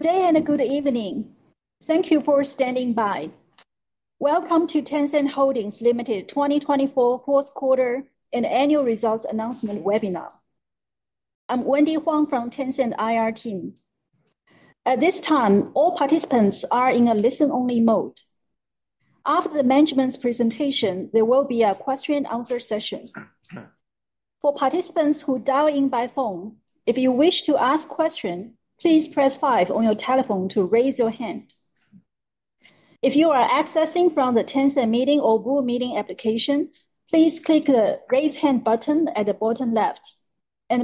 Good day and a good evening. Thank you for standing by. Welcome to Tencent Holdings Limited 2024 Fourth Quarter and Annual Results Announcement Webinar. I'm Wendy Huang from Tencent IR team. At this time, all participants are in a listen-only mode. After the management's presentation, there will be a question-and-answer session. For participants who dial in by phone, if you wish to ask a question, please press five on your telephone to raise your hand. If you are accessing from the Tencent Meeting or Google Meeting application, please click the raise hand button at the bottom left.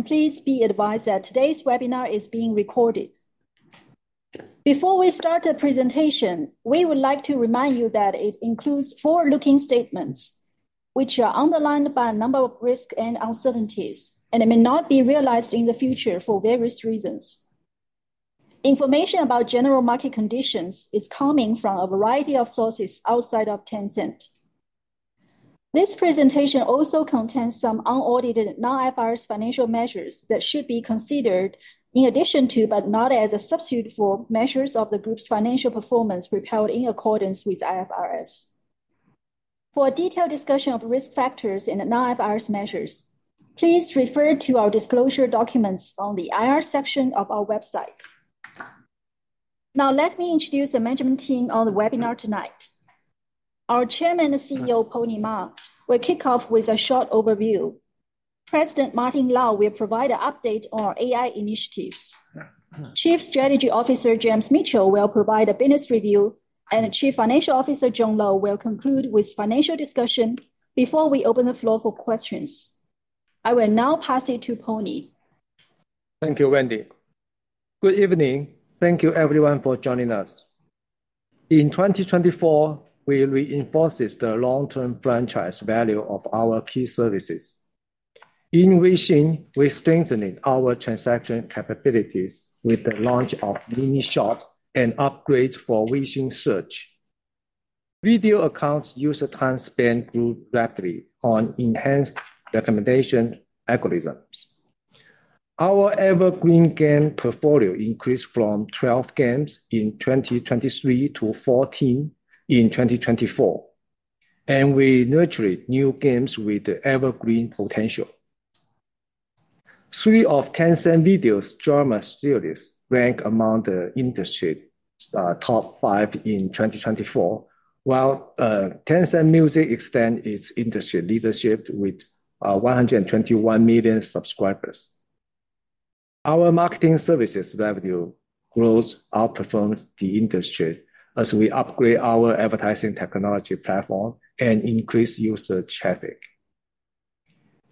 Please be advised that today's webinar is being recorded. Before we start the presentation, we would like to remind you that it includes forward-looking statements, which are underlined by a number of risks and uncertainties, and it may not be realized in the future for various reasons. Information about general market conditions is coming from a variety of sources outside of Tencent. This presentation also contains some unaudited non-IFRS financial measures that should be considered in addition to, but not as a substitute for, measures of the group's financial performance proposed in accordance with IFRS. For a detailed discussion of risk factors and non-IFRS measures, please refer to our disclosure documents on the IR section of our website. Now, let me introduce the management team on the webinar tonight. Our Chairman and CEO, Pony Ma, will kick off with a short overview. President Martin Lau will provide an update on our AI initiatives. Chief Strategy Officer, James Mitchell, will provide a business review, and Chief Financial Officer, John Lo, will conclude with financial discussion before we open the floor for questions. I will now pass it to Pony. Thank you, Wendy. Good evening. Thank you, everyone, for joining us. In 2024, we reinforced the long-term franchise value of our key services. In WeChat, we strengthened our transaction capabilities with the launch of Mini Shops and upgrades for WeChat Search. Video Accounts' user time spent grew rapidly on enhanced recommendation algorithms. Our evergreen game portfolio increased from 12 games in 2023 to 14 in 2024, and we nurtured new games with the evergreen potential. Three of Tencent Video's drama series ranked among the industry's top five in 2024, while Tencent Music extends its industry leadership with 121 million subscribers. Our marketing services revenue growth outperforms the industry as we upgrade our advertising technology platform and increase user traffic.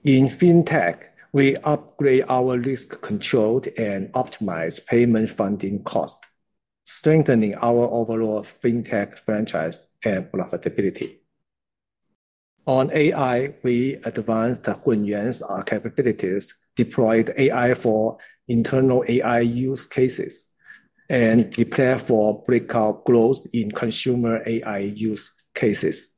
In fintech, we upgrade our risk control and optimize payment funding costs, strengthening our overall fintech franchise and profitability. On AI, we advanced Hunyuan's capabilities, deployed AI for internal AI use cases, and prepared for breakout growth in consumer AI use cases.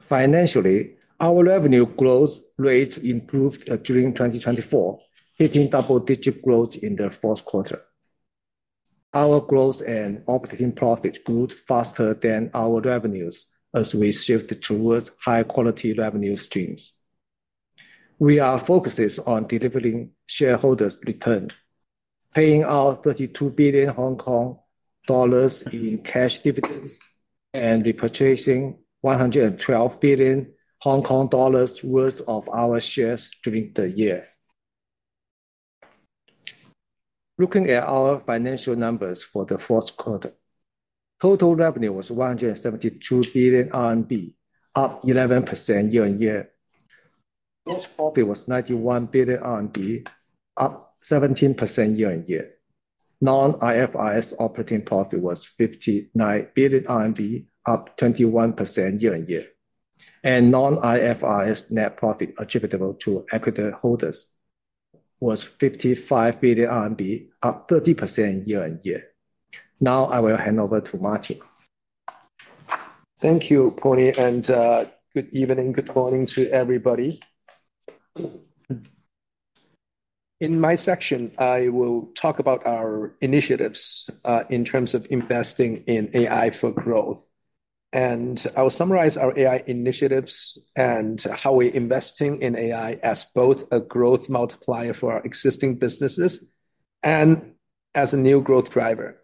Financially, our revenue growth rate improved during 2024, hitting double-digit growth in the fourth quarter. Our growth and operating profit grew faster than our revenues as we shifted towards high-quality revenue streams. We are focused on delivering shareholders' return, paying out 32 billion Hong Kong dollars in cash dividends and repatriating 112 billion Hong Kong dollars worth of our shares during the year. Looking at our financial numbers for the fourth quarter, total revenue was 172 billion RMB, up 11% year-on-year. Gross profit was 91 billion RMB, up 17% year-on-year. Non-IFRS operating profit was 59 billion RMB, up 21% year-on-year. Non-IFRS net profit attributable to equity holders was 55 billion RMB, up 30% year-on-year. Now, I will hand over to Martin. Thank you, Pony, and good evening, good morning to everybody. In my section, I will talk about our initiatives in terms of investing in AI for growth. I will summarize our AI initiatives and how we are investing in AI as both a growth multiplier for our existing businesses and as a new growth driver.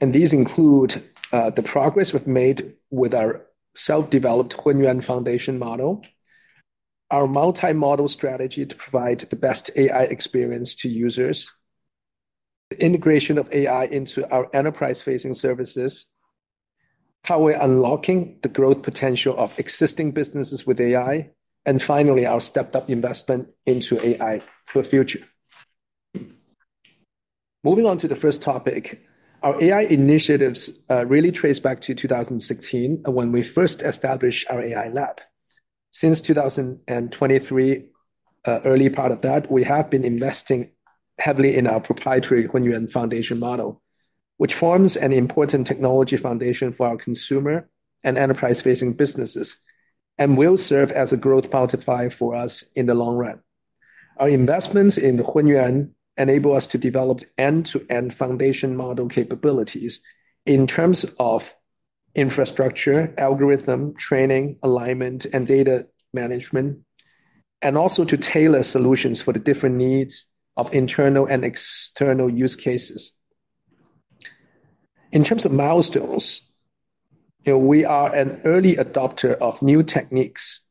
These include the progress we have made with our self-developed Hunyuan Foundation model, our multimodal strategy to provide the best AI experience to users, the integration of AI into our enterprise-facing services, how we are unlocking the growth potential of existing businesses with AI, and finally, our stepped-up investment into AI for the future. Moving on to the first topic, our AI initiatives really trace back to 2016 when we first established our AI lab. Since 2023, early part of that, we have been investing heavily in our proprietary Hunyuan foundation model, which forms an important technology foundation for our consumer and enterprise-facing businesses and will serve as a growth multiplier for us in the long run. Our investments in Hunyuan enable us to develop end-to-end foundation model capabilities in terms of infrastructure, algorithm training, alignment, and data management, and also to tailor solutions for the different needs of internal and external use cases. In terms of milestones, we are an early adopter of new techniques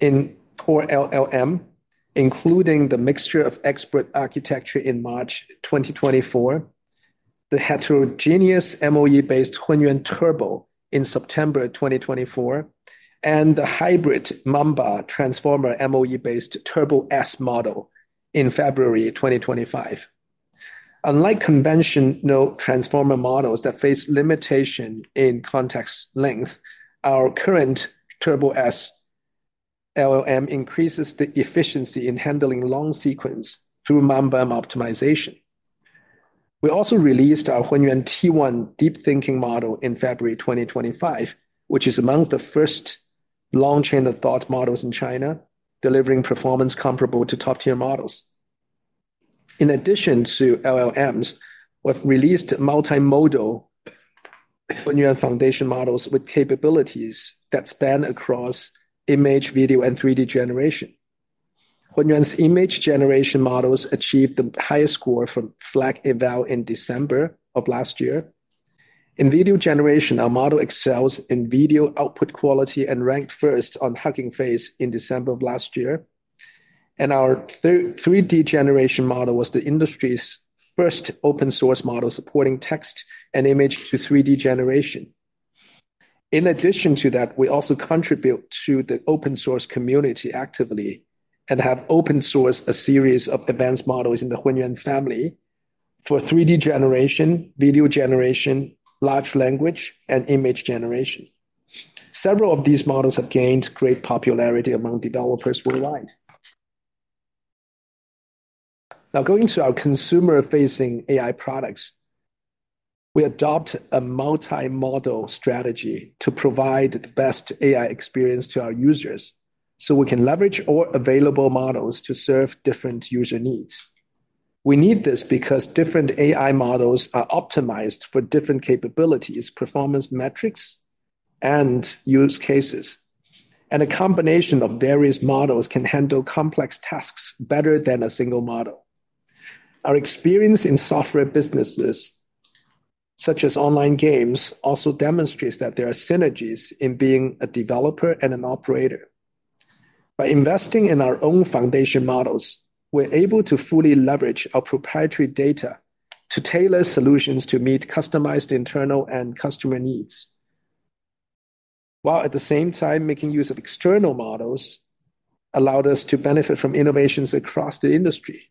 in core LLM, including the mixture of expert architecture in March 2024, the heterogeneous MoE based Hunyuan Turbo in September 2024, and the hybrid Mamba transformer MoE-based Turbo S model in February 2025. Unlike conventional transformer models that face limitation in context length, our current Turbo S LLM increases the efficiency in handling long sequence through Mamba M optimization. We also released our Hunyuan T1 deep thinking model in February 2025, which is amongst the first long-chain-of-thought models in China, delivering performance comparable to top-tier models. In addition to LLMs, we've released multimodal Hunyuan foundation models with capabilities that span across image, video, and 3D generation. Hunyuan's image generation models achieved the highest score from FLAC Eval in December of last year. In video generation, our model excels in video output quality and ranked first on Hugging Face in December of last year. Our 3D generation model was the industry's first open-source model supporting text and image to 3D generation. In addition to that, we also contribute to the open-source community actively and have open-sourced a series of advanced models in the Hunyuan family for 3D generation, video generation, large language, and image generation. Several of these models have gained great popularity among developers worldwide. Now, going to our consumer-facing AI products, we adopt a multi-model strategy to provide the best AI experience to our users so we can leverage all available models to serve different user needs. We need this because different AI models are optimized for different capabilities, performance metrics, and use cases. A combination of various models can handle complex tasks better than a single model. Our experience in software businesses, such as online games, also demonstrates that there are synergies in being a developer and an operator. By investing in our own foundation models, we're able to fully leverage our proprietary data to tailor solutions to meet customized internal and customer needs, while at the same time making use of external models allowed us to benefit from innovations across the industry.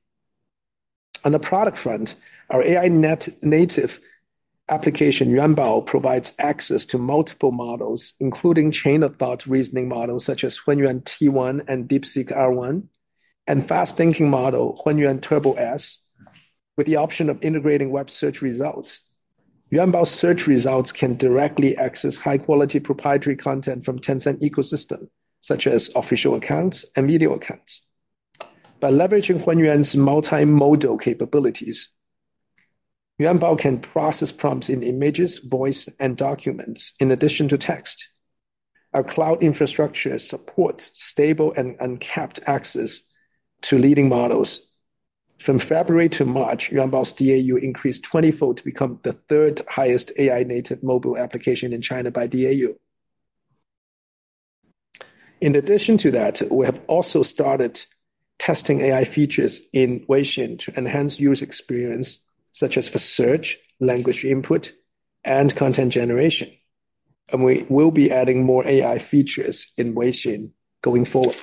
On the product front, our AI-native application, Yuanbao, provides access to multiple models, including chain-of-thought reasoning models such as Hunyuan T1 and DeepSeek R1, and fast-thinking model Hunyuan Turbo S with the option of integrating web search results. Yuanbao's search results can directly access high-quality proprietary content from Tencent's ecosystem, such as officrompts in images, voice, and documents in addition to text. Our cloud infrastructure supports stable and uncapped access to leading models. From February to March, Yuanbao's DAU increased 20-fold to become the third highial accounts and Video Accounts. By leveraging HunYuan's multimodal capabilities, Yuanbao can process pest AI-native mobile application in China by DAU. In addition to that, we have also started testing AI features in Weixin to enhance user experience, such as for search, language input, and content generation. We will be adding more AI features in Weixin going forward.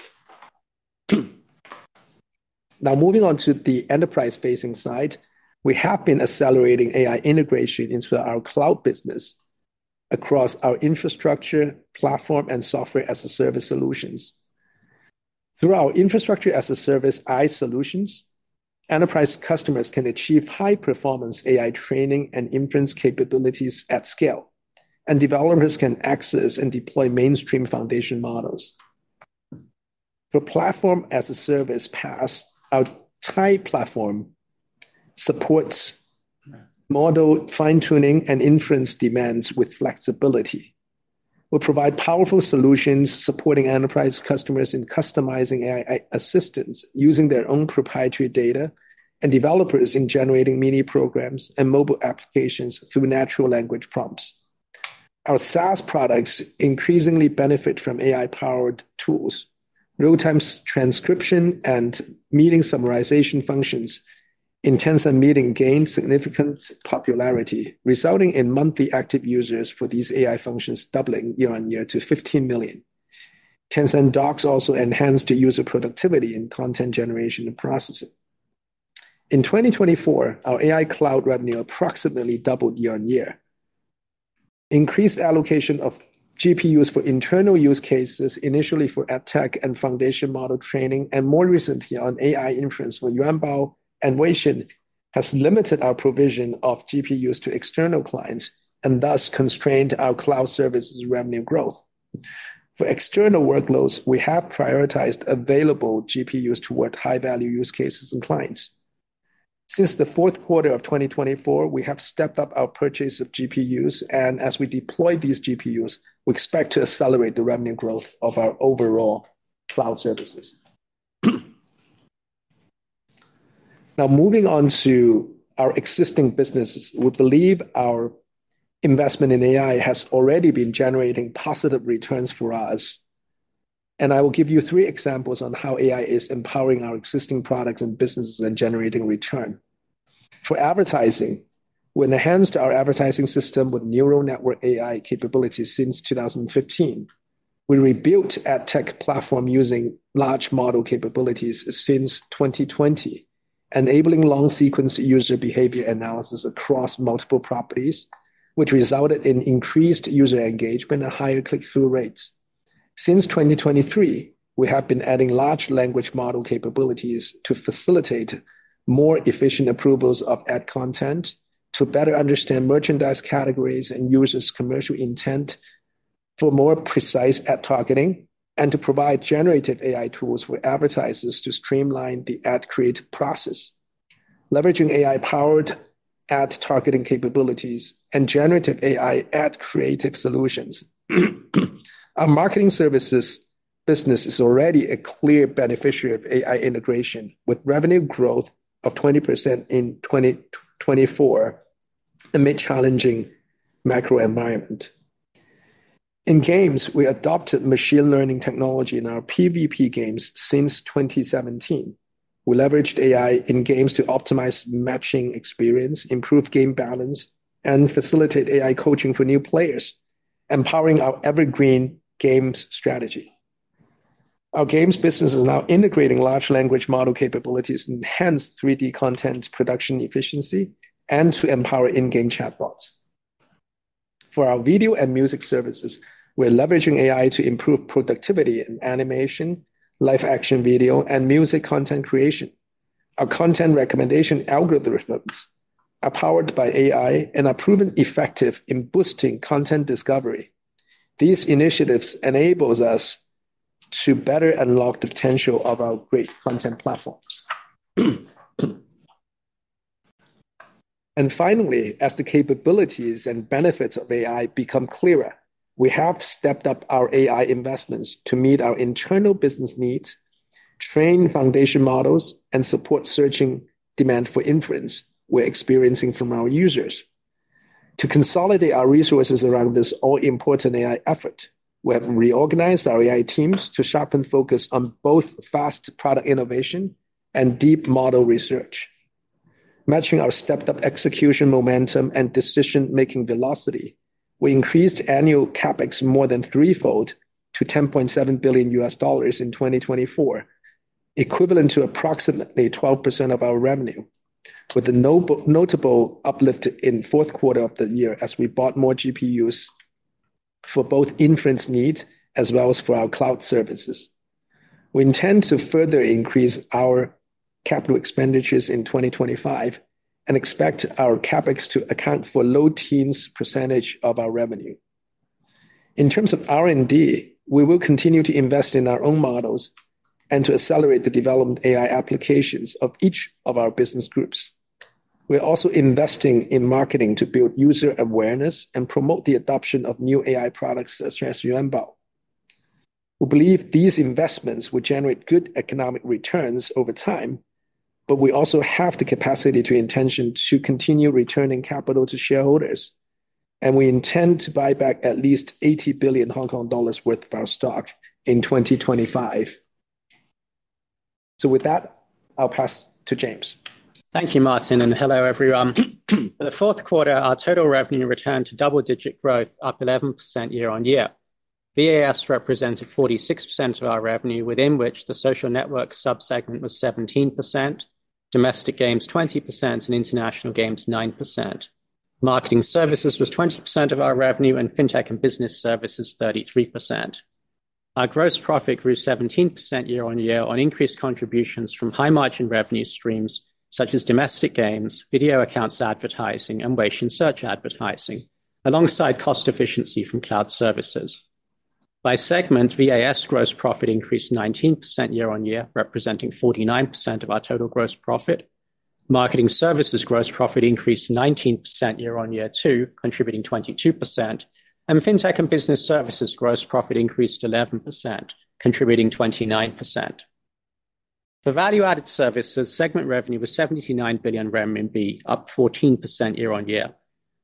Now, moving on to the enterprise-facing side, we have been accelerating AI integration into our cloud business across our infrastructure, platform, and software-as-a-service solutions. Through our infrastructure-as-a-service AI solutions, enterprise customers can achieve high-performance AI training and inference capabilities at scale, and developers can access and deploy mainstream foundation models. The platform-as-a-service PaaS, our TAI platform, supports model fine-tuning and inference demands with flexibility. We provide powerful solutions supporting enterprise customers in customizing AI assistance using their own proprietary data and developers in generating mini programs and mobile applications through natural language prompts. Our SaaS products increasingly benefit from AI-powered tools. Real-time transcription and meeting summarization functions in Tencent Meeting gained significant popularity, resulting in monthly active users for these AI functions doubling year-on-year to 15 million. Tencent Docs also enhanced user productivity in content generation and processing. In 2024, our AI cloud revenue approximately doubled year-on-year. Increased allocation of GPUs for internal use cases, initially for EdTech and foundation model training, and more recently on AI inference for Yuanbao and WeChat, has limited our provision of GPUs to external clients and thus constrained our cloud services revenue growth. For external workloads, we have prioritized available GPUs toward high-value use cases and clients. Since the fourth quarter of 2024, we have stepped up our purchase of GPUs, and as we deploy these GPUs, we expect to accelerate the revenue growth of our overall cloud services. Now, moving on to our existing businesses, we believe our investment in AI has already been generating positive returns for us. I will give you three examples on how AI is empowering our existing products and businesses and generating return. For advertising, we enhanced our advertising system with neural network AI capabilities since 2015. We rebuilt EdTech platform using large model capabilities since 2020, enabling long-sequence user behavior analysis across multiple properties, which resulted in increased user engagement and higher click-through rates. Since 2023, we have been adding large language model capabilities to facilitate more efficient approvals of ad content, to better understand merchandise categories and users' commercial intent for more precise ad targeting, and to provide generative AI tools for advertisers to streamline the ad creative process, leveraging AI-powered ad targeting capabilities and generative AI ad creative solutions. Our marketing services business is already a clear beneficiary of AI integration with revenue growth of 20% in 2024 amid challenging macro environment. In games, we adopted machine learning technology in our PvP games since 2017. We leveraged AI in games to optimize matching experience, improve game balance, and facilitate AI coaching for new players, empowering our evergreen games strategy. Our games business is now integrating large language model capabilities to enhance 3D content production efficiency and to empower in-game chatbots. For our video and music services, we're leveraging AI to improve productivity in animation, live-action video, and music content creation. Our content recommendation algorithms are powered by AI and are proven effective in boosting content discovery. These initiatives enable us to better unlock the potential of our great content platforms. As the capabilities and benefits of AI become clearer, we have stepped up our AI investments to meet our internal business needs, train foundation models, and support surging demand for inference we're experiencing from our users. To consolidate our resources around this all-important AI effort, we have reorganized our AI teams to sharpen focus on both fast product innovation and deep model research. Matching our stepped-up execution momentum and decision-making velocity, we increased annual CapEx more than threefold to 10.7 billion US dollars in 2024, equivalent to approximately 12% of our revenue, with a notable uplift in the fourth quarter of the year as we bought more GPUs for both inference needs as well as for our cloud services. We intend to further increase our capital expenditures in 2025 and expect our CapEx to account for low teens % of our revenue. In terms of R&D, we will continue to invest in our own models and to accelerate the development AI applications of each of our business groups. We're also investing in marketing to build user awareness and promote the adoption of new AI products such as Yuanbao. We believe these investments will generate good economic returns over time, but we also have the capacity to intention to continue returning capital to shareholders. We intend to buy back at least 80 billion Hong Kong dollars worth of our stock in 2025. With that, I'll pass to James. Thank you, Martin. Hello, everyone. For the fourth quarter, our total revenue returned to double-digit growth, up 11% year-on-year. VAS represented 46% of our revenue, within which the social network subsegment was 17%, domestic games 20%, and international games 9%. Marketing services was 20% of our revenue, and fintech and business services 33%. Our gross profit grew 17% year-on-year on increased contributions from high-margin revenue streams such as domestic games, Video Accounts advertising, and Weixin Search advertising, alongside cost efficiency from cloud services. By segment, VAS gross profit increased 19% year-on-year, representing 49% of our total gross profit. Marketing services gross profit increased 19% year-on-year too, contributing 22%, and fintech and business services gross profit increased 11%, contributing 29%. For value-added services, segment revenue was 79 billion renminbi, up 14% year-on-year.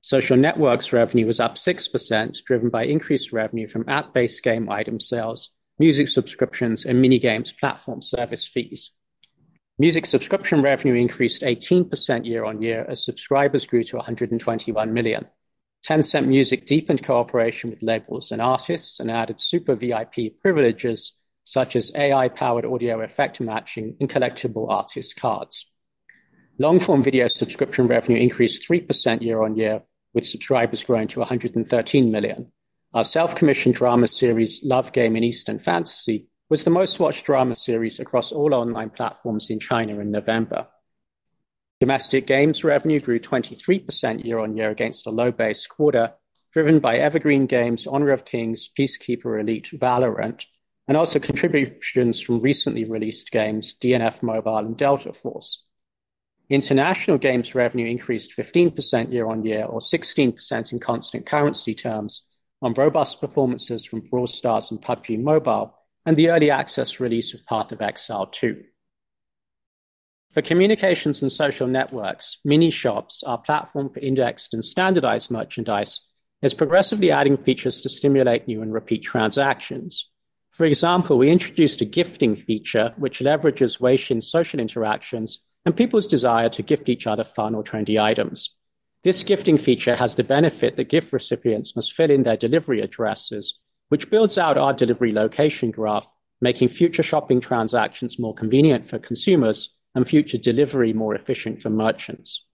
Social networks revenue was up 6%, driven by increased revenue from app-based game item sales, music subscriptions, and mini games platform service fees. Music subscription revenue increased 18% year-on-year as subscribers grew to 121 million. Tencent Music deepened cooperation with labels and artists and added super VIP privileges such as AI-powered audio effect matching and collectible artist cards. Long-form video subscription revenue increased 3% year-on-year, with subscribers growing to 113 million. Our self-commissioned drama series, Love Game in Eastern Fantasy, was the most watched drama series across all online platforms in China in November. Domestic games revenue grew 23% year-on-year against a low-based quarter, driven by evergreen games Honor of Kings, Peacekeeper Elite, Valorant, and also contributions from recently released games DNF Mobile and Delta Force. International games revenue increased 15% year-on-year, or 16% in constant currency terms, on robust performances from Brawl Stars and PUBG Mobile, and the early access release of Path of Exile 2. For communications and social networks, Mini Shops, our platform for indexed and standardized merchandise, is progressively adding features to stimulate new and repeat transactions. For example, we introduced a gifting feature which leverages WeChat social interactions and people's desire to gift each other fun or trendy items. This gifting feature has the benefit that gift recipients must fill in their delivery addresses, which builds out our delivery location graph, making future shopping transactions more convenient for consumers and future delivery more efficient for merchants.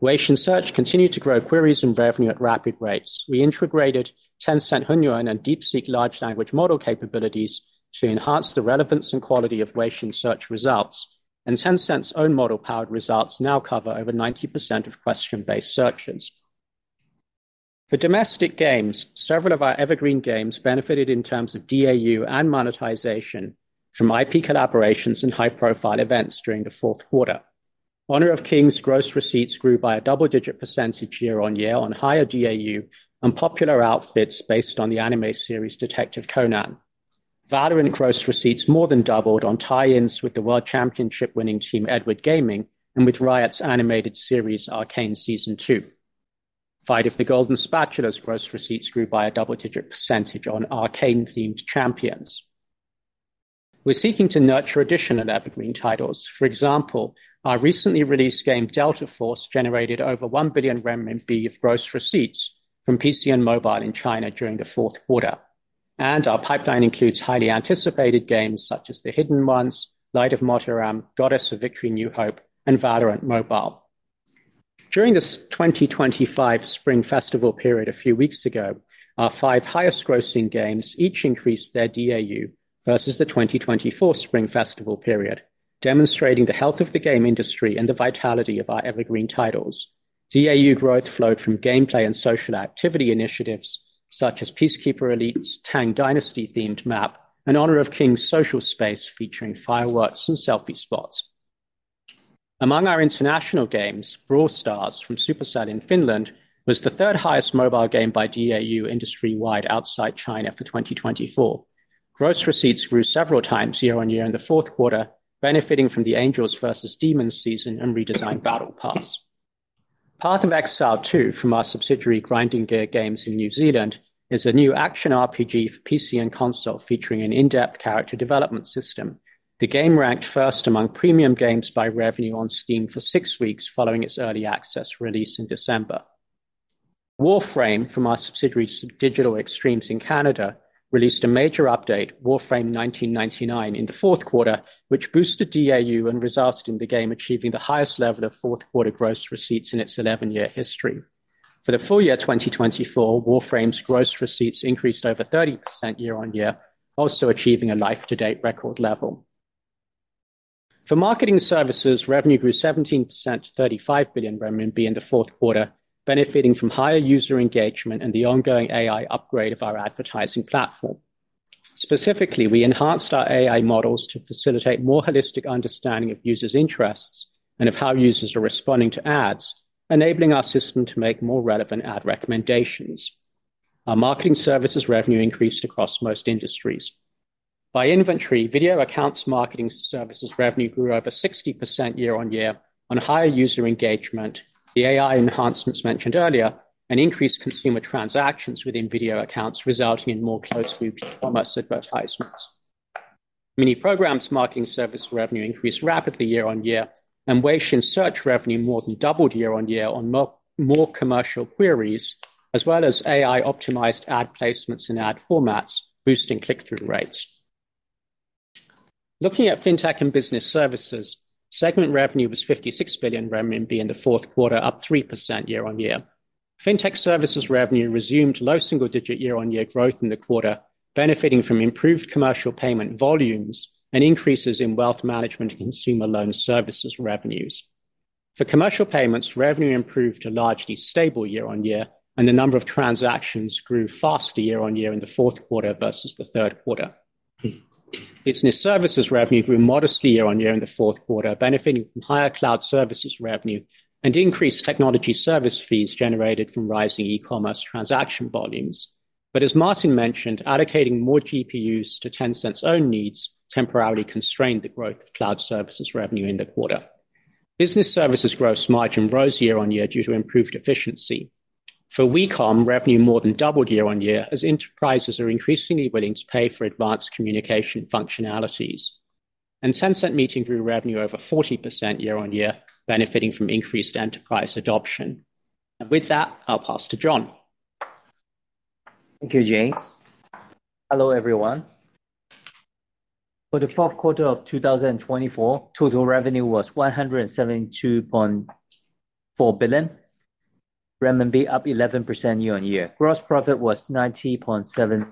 WeChat Search continued to grow queries and revenue at rapid rates. We integrated Tencent Hunyuan and DeepSeek large language model capabilities to enhance the relevance and quality of WeChat Search results, and Tencent's own model-powered results now cover over 90% of question-based searches. For domestic games, several of our evergreen games benefited in terms of DAU and monetization from IP collaborations and high-profile events during the fourth quarter. Honor of Kings' gross receipts grew by a double-digit % year-on-year on higher DAU and popular outfits based on the anime series Detective Conan. Valorant gross receipts more than doubled on tie-ins with the world championship-winning team Edward Gaming and with Riot's animated series Arcane Season 2. Fight of the Golden Spatula's gross receipts grew by a double-digit % on Arcane-themed champions. We're seeking to nurture additional evergreen titles. For example, our recently released game Delta Force generated over 1 billion renminbi of gross receipts from PC and mobile in China during the fourth quarter. Our pipeline includes highly anticipated games such as The Hidden Ones, Light of Mortaram, Goddess of Victory: New Hope, and Valiant Mobile. During the 2025 Spring Festival period a few weeks ago, our five highest-grossing games each increased their DAU versus the 2024 Spring Festival period, demonstrating the health of the game industry and the vitality of our evergreen titles. DAU growth flowed from gameplay and social activity initiatives such as Peacekeeper Elite's Tang Dynasty-themed map and Honor of Kings' social space featuring fireworks and selfie spots. Among our international games, Brawl Stars from Supercell in Finland was the third highest mobile game by DAU industry-wide outside China for 2024. Gross receipts grew several times year-on-year in the fourth quarter, benefiting from the Angels vs. Demons season and redesigned Battle Pass. Path of Exile 2, from our subsidiary Grinding Gear Games in New Zealand, is a new action RPG for PC and console featuring an in-depth character development system. The game ranked first among premium games by revenue on Steam for six weeks following its early access release in December. Warframe, from our subsidiary Digital Extremes in Canada, released a major update, Warframe 1999, in the fourth quarter, which boosted DAU and resulted in the game achieving the highest level of fourth-quarter gross receipts in its 11-year history. For the full year 2024, Warframe's gross receipts increased over 30% year-on-year, also achieving a life-to-date record level. For marketing services, revenue grew 17% to 35 billion RMB in the fourth quarter, benefiting from higher user engagement and the ongoing AI upgrade of our advertising platform. Specifically, we enhanced our AI models to facilitate more holistic understanding of users' interests and of how users are responding to ads, enabling our system to make more relevant ad recommendations. Our marketing services revenue increased across most industries. By inventory, Video Accounts marketing services revenue grew over 60% year-on-year on higher user engagement, the AI enhancements mentioned earlier, and increased consumer transactions within Video Accounts, resulting in more closely commerce advertisements. Mini Programs marketing service revenue increased rapidly year-on-year, and Weixin Search revenue more than doubled year-on-year on more commercial queries, as well as AI-optimized ad placements and ad formats, boosting click-through rates. Looking at fintech and business services, segment revenue was 56 billion renminbi in the fourth quarter, up 3% year-on-year. Fintech services revenue resumed low single-digit year-on-year growth in the quarter, benefiting from improved commercial payment volumes and increases in wealth management and consumer loan services revenues. For commercial payments, revenue improved to largely stable year-on-year, and the number of transactions grew faster year-on-year in the fourth quarter versus the third quarter. Business services revenue grew modestly year-on-year in the fourth quarter, benefiting from higher cloud services revenue and increased technology service fees generated from rising e-commerce transaction volumes. As Martin mentioned, allocating more GPUs to Tencent's own needs temporarily constrained the growth of cloud services revenue in the quarter. Business services gross margin rose year-on-year due to improved efficiency. For WeCom, revenue more than doubled year-on-year as enterprises are increasingly willing to pay for advanced communication functionalities. Tencent Meeting grew revenue over 40% year-on-year, benefiting from increased enterprise adoption. With that, I'll pass to John. Thank you, James. Hello, everyone. For the fourth quarter of 2024, total revenue was 172.4 billion renminbi, up 11% year-on-year. Gross profit was 90.7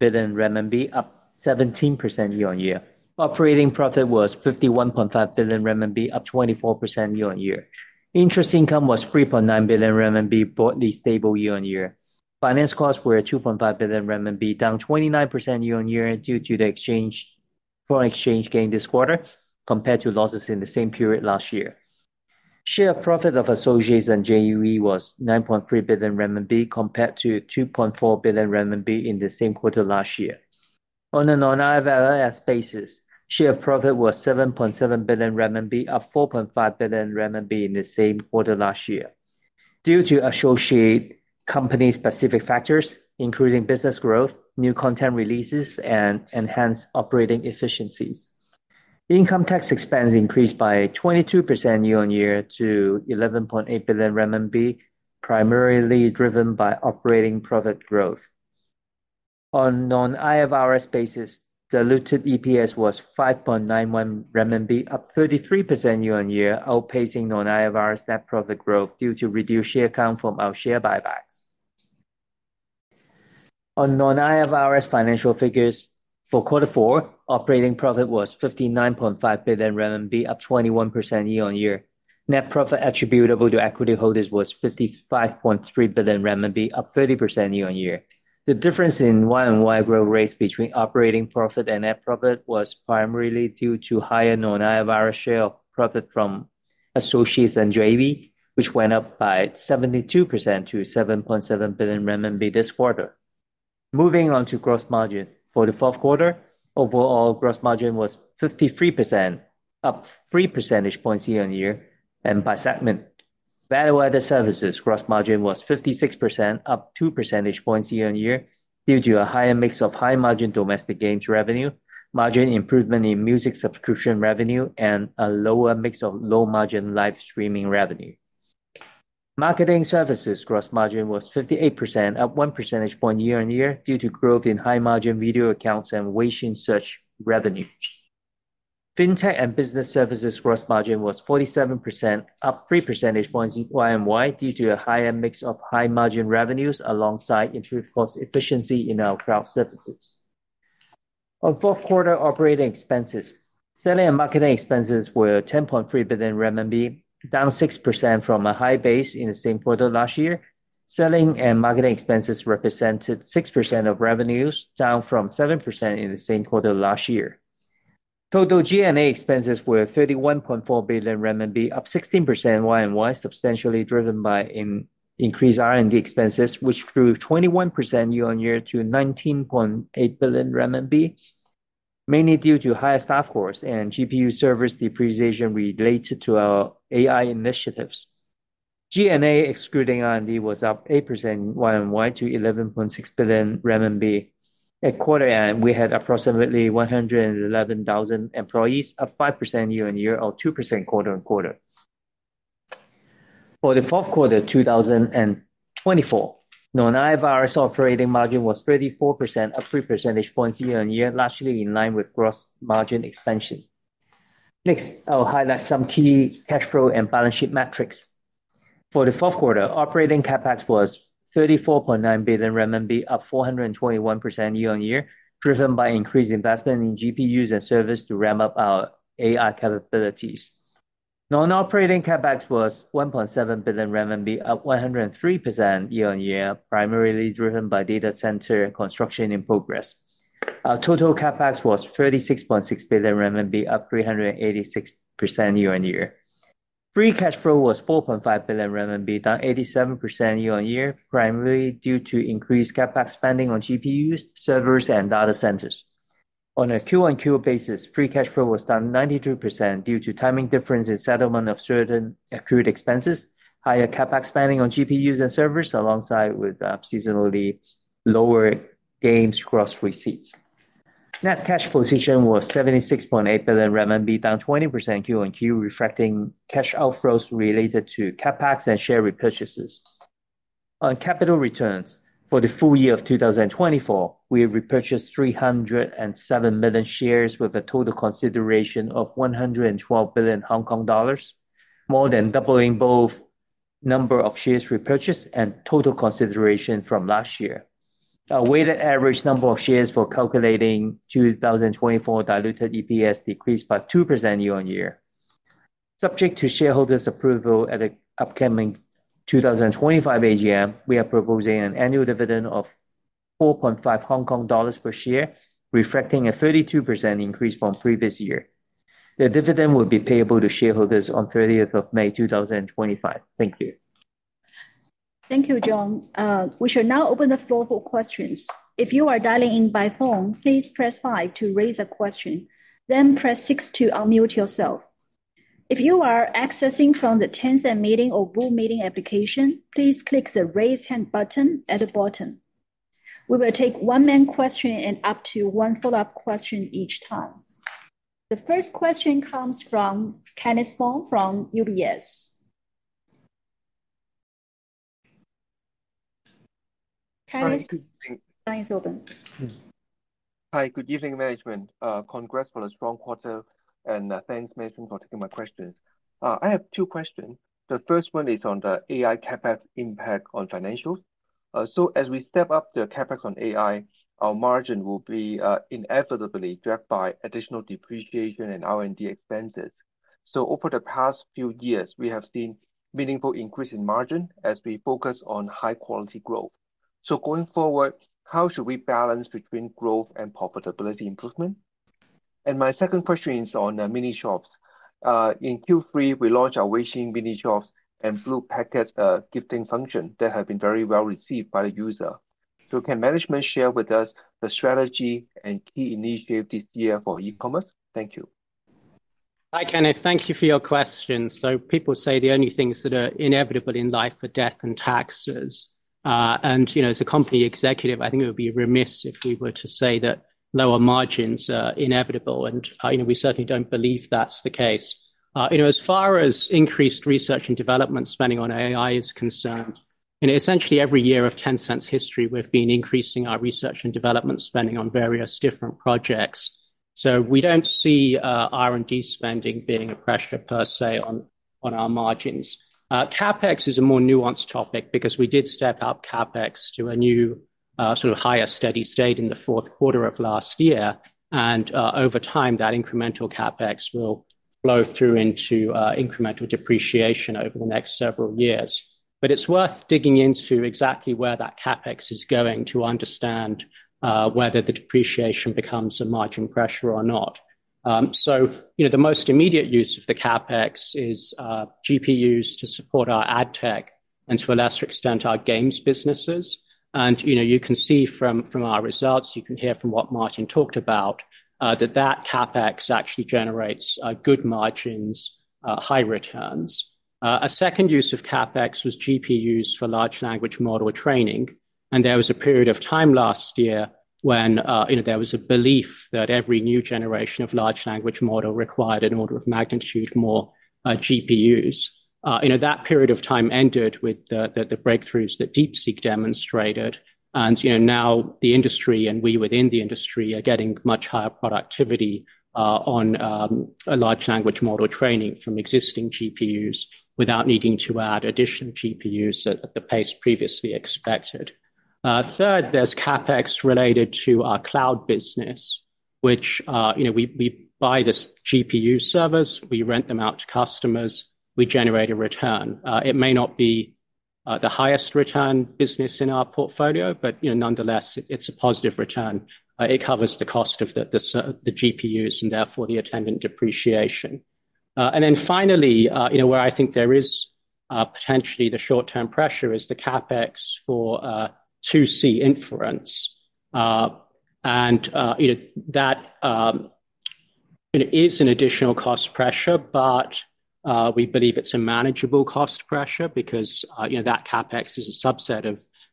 billion RMB, up 17% year-on-year. Operating profit was 51.5 billion RMB, up 24% year-on-year. Interest income was 3.9 billion RMB, broadly stable year-on-year. Finance costs were 2.5 billion RMB, down 29% year-on-year due to the foreign exchange gain this quarter compared to losses in the same period last year. Share profit of associates and joint ventures was 9.3 billion RMB, compared to 2.4 billion RMB in the same quarter last year. On an on-hour basis, share profit was 7.7 billion RMB, up 4.5 billion RMB in the same quarter last year, due to associate company-specific factors, including business growth, new content releases, and enhanced operating efficiencies. Income tax expense increased by 22% year-on-year to 11.8 billion RMB, primarily driven by operating profit growth. On a non-IFRS basis, diluted EPS was 5.91 renminbi, up 33% year-on-year, outpacing non-IFRS net profit growth due to reduced share count from our share buybacks. On non-IFRS financial figures, for quarter four, operating profit was 59.5 billion RMB, up 21% year-on-year. Net profit attributable to equity holders was 55.3 billion RMB, up 30% year-on-year. The difference in year-on-year growth rates between operating profit and net profit was primarily due to higher non-IFRS share of profit from associates and joint ventures, which went up by 72% to 7.7 billion renminbi this quarter. Moving on to gross margin, for the fourth quarter, overall gross margin was 53%, up 3 percentage points year-on-year and by segment. Value-added services gross margin was 56%, up 2 percentage points year-on-year, due to a higher mix of high-margin domestic games revenue, margin improvement in music subscription revenue, and a lower mix of low-margin live streaming revenue. Marketing services gross margin was 58 %, up 1 percentage point year-on-year, due to growth in high-margin Video Accounts and Weixin Search revenue. Fintech and business services gross margin was 47 %, up 3 percentage points year-on-year, due to a higher mix of high-margin revenues alongside improved cost efficiency in our cloud services. On fourth quarter operating expenses, selling and marketing expenses were 10.3 billion RMB, down 6% from a high base in the same quarter last year. Selling and marketing expenses represented 6% of revenues, down from 7% in the same quarter last year. Total G&A expenses were 31.4 billion RMB, up 16% year-on-year, substantially driven by increased R&D expenses, which grew 21% year-on-year to 19.8 billion renminbi, mainly due to higher staff costs and GPU service depreciation related to our AI initiatives. G&A excluding R&D was up 8% YoY to 11.6 billion RMB. At quarter end, we had approximately 111,000 employees, up 5% year-on-year, or 2% quarter-on-quarter. For the fourth quarter 2024, on-hour operating margin was 34%, up 3 percentage points year-on-year, largely in line with gross margin expansion. Next, I'll highlight some key cash flow and balance sheet metrics. For the fourth quarter, operating CapEx was 34.9 billion renminbi, up 421% year-on-year, driven by increased investment in GPUs and service to ramp up our AI capabilities. Non-operating CapEx was 1.7 billion RMB, up 103% year-on-year, primarily driven by data center construction in progress. Our total CapEx was 36.6 billion RMB, up 386% year-on-year. Free cash flow was 4.5 billion RMB, down 87% year-on-year, primarily due to increased CapEx spending on GPUs, servers, and data centers. On a QoQ basis, free cash flow was down 92% due to timing difference in settlement of certain accrued expenses, higher CapEx spending on GPUs and servers, alongside with seasonally lower games gross receipts. Net cash position was 76.8 billion RMB, down 20% QoQ, reflecting cash outflows related to CapEx and share repurchases. On capital returns, for the full year of 2024, we repurchased 307 million shares with a total consideration of 112 billion Hong Kong dollars, more than doubling both number of shares repurchased and total consideration from last year. Our weighted average number of shares for calculating 2024 diluted EPS decreased by 2% year-on-year. Subject to shareholders' approval at the upcoming 2025 AGM, we are proposing an annual dividend of 4.5 Hong Kong dollars per share, reflecting a 32% increase from previous year. The dividend will be payable to shareholders on May 30, 2025. Thank you. Thank you, John. We shall now open the floor for questions. If you are dialing in by phone, please press five to raise a question, then press six to unmute yourself. If you are accessing from the Tencent Meeting or Boom Meeting application, please click the Raise Hand button at the bottom. We will take one main question and up to one follow-up question each time. The first question comes from Kenneth Fong from UBS. Kenneth, the line is open. Hi, good evening, management. Congrats for the strong quarter, and thanks, management, for taking my questions. I have two questions. The first one is on the AI CapEx impact on financials. As we step up the CapEx on AI, our margin will be inevitably dragged by additional depreciation and R&D expenses. Over the past few years, we have seen meaningful increases in margin as we focus on high-quality growth. Going forward, how should we balance between growth and profitability improvement? My second question is on Mini Shops. In Q3, we launched our Weixin Mini Shops and Blue Packet gifting function that have been very well received by the user. Can management share with us the strategy and key initiative this year for e-commerce? Thank you. Hi, Kenneth. Thank you for your question. People say the only things that are inevitable in life are death and taxes. You know, as a company executive, I think it would be remiss if we were to say that lower margins are inevitable. You know, we certainly don't believe that's the case. You know, as far as increased research and development spending on AI is concerned, essentially every year of Tencent's history, we've been increasing our research and development spending on various different projects. We don't see R&D spending being a pressure, per se, on our margins. CapEx is a more nuanced topic because we did step up CapEx to a new sort of higher steady state in the fourth quarter of last year. Over time, that incremental CapEx will flow through into incremental depreciation over the next several years. It is worth digging into exactly where that CapEx is going to understand whether the depreciation becomes a margin pressure or not. You know, the most immediate use of the CapEx is GPUs to support our ad tech and, to a lesser extent, our games businesses. You know, you can see from our results, you can hear from what Martin talked about, that that CapEx actually generates good margins, high returns. A second use of CapEx was GPUs for large language model training. There was a period of time last year when, you know, there was a belief that every new generation of large language model required, in order of magnitude, more GPUs. You know, that period of time ended with the breakthroughs that DeepSeek demonstrated. You know, now the industry and we within the industry are getting much higher productivity on large language model training from existing GPUs without needing to add additional GPUs at the pace previously expected. Third, there is CapEx related to our cloud business, which, you know, we buy this GPU service, we rent them out to customers, we generate a return. It may not be the highest return business in our portfolio, but, you know, nonetheless, it is a positive return. It covers the cost of the GPUs and therefore the attendant depreciation. Finally, you know, where I think there is potentially the short-term pressure is the CapEx for 2C inference. You know, that is an additional cost pressure, but we believe it's a manageable cost pressure because, you know, that CapEx is a subset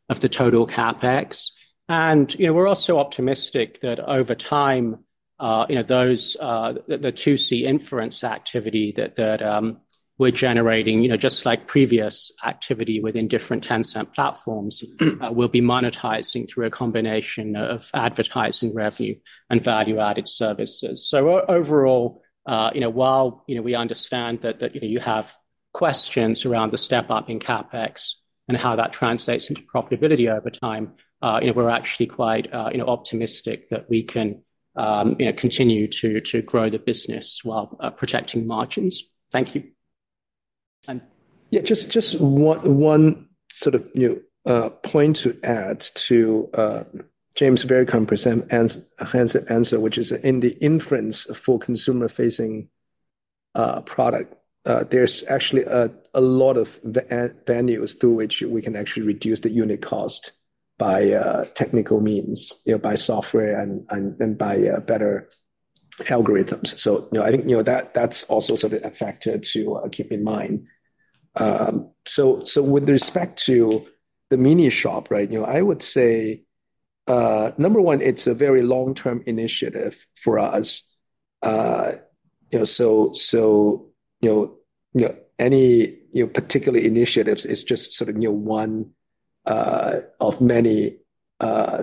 of the total CapEx. You know, we're also optimistic that over time, you know, the 2C inference activity that we're generating, you know, just like previous activity within different Tencent platforms, we'll be monetizing through a combination of advertising revenue and value-added services. Overall, you know, while, you know, we understand that you have questions around the step-up in CapEx and how that translates into profitability over time, you know, we're actually quite, you know, optimistic that we can, you know, continue to grow the business while protecting margins. Thank you. Yeah, just one sort of, you know, point to add to James Mitchell's answer, which is in the inference for consumer-facing product, there's actually a lot of venues through which we can actually reduce the unit cost by technical means, you know, by software and by better algorithms. You know, I think, you know, that that's also sort of a factor to keep in mind. With respect to the Mini Shops, right, you know, I would say, number one, it's a very long-term initiative for us. You know, any, you know, particular initiatives is just sort of, you know, one of many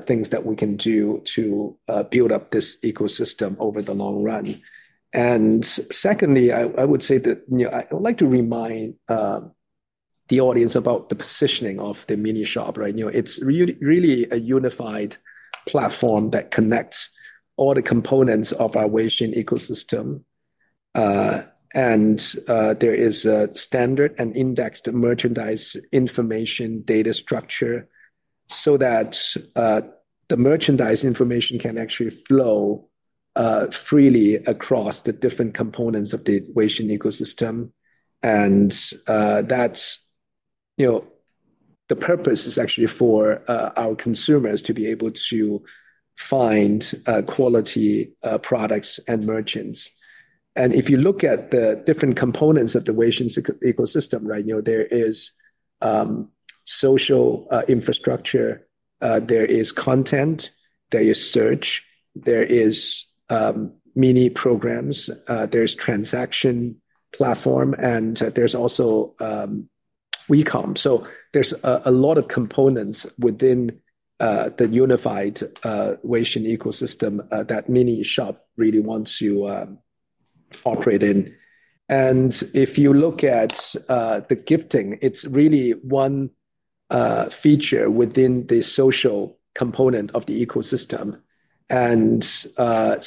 things that we can do to build up this ecosystem over the long run. Secondly, I would say that, you know, I would like to remind the audience about the positioning of the Mini Shops, right? You know, it's really a unified platform that connects all the components of our WeChat ecosystem. There is a standard and indexed merchandise information data structure so that the merchandise information can actually flow freely across the different components of the WeChat ecosystem. You know, the purpose is actually for our consumers to be able to find quality products and merchants. If you look at the different components of the WeChat ecosystem, right, you know, there is social infrastructure, there is content, there is search, there are mini programs, there is a transaction platform, and there is also WeCom. There are a lot of components within the unified WeChat ecosystem that Mini Shops really wants to operate in. If you look at the gifting, it's really one feature within the social component of the ecosystem. It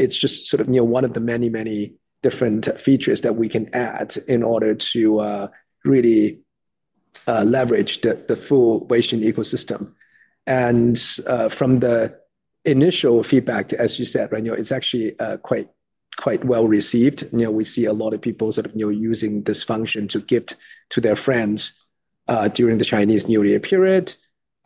is just sort of, you know, one of the many, many different features that we can add in order to really leverage the full WeChat ecosystem. From the initial feedback, as you said, right, you know, it is actually quite, quite well received. You know, we see a lot of people sort of, you know, using this function to gift to their friends during the Chinese New Year period.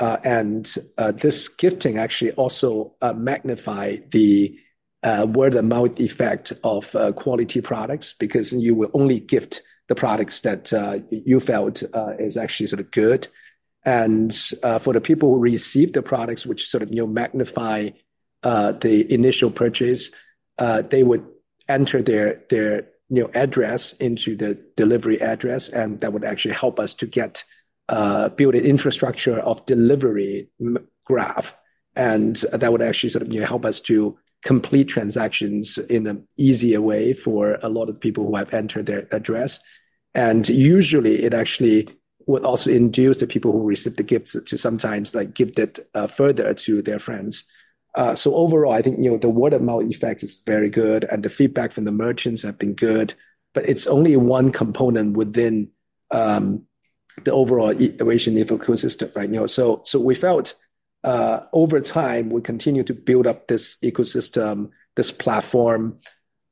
This gifting actually also magnifies the word-of-mouth effect of quality products because you will only gift the products that you felt are actually sort of good. For the people who receive the products, which sort of, you know, magnify the initial purchase, they would enter their, you know, address into the delivery address, and that would actually help us to get a built-in infrastructure of delivery graph. That would actually sort of, you know, help us to complete transactions in an easier way for a lot of people who have entered their address. Usually, it actually would also induce the people who receive the gifts to sometimes, like, gift it further to their friends. Overall, I think, you know, the word-of-mouth effect is very good, and the feedback from the merchants has been good, but it's only one component within the overall WeChat ecosystem, right? You know, we felt over time, we continue to build up this ecosystem, this platform,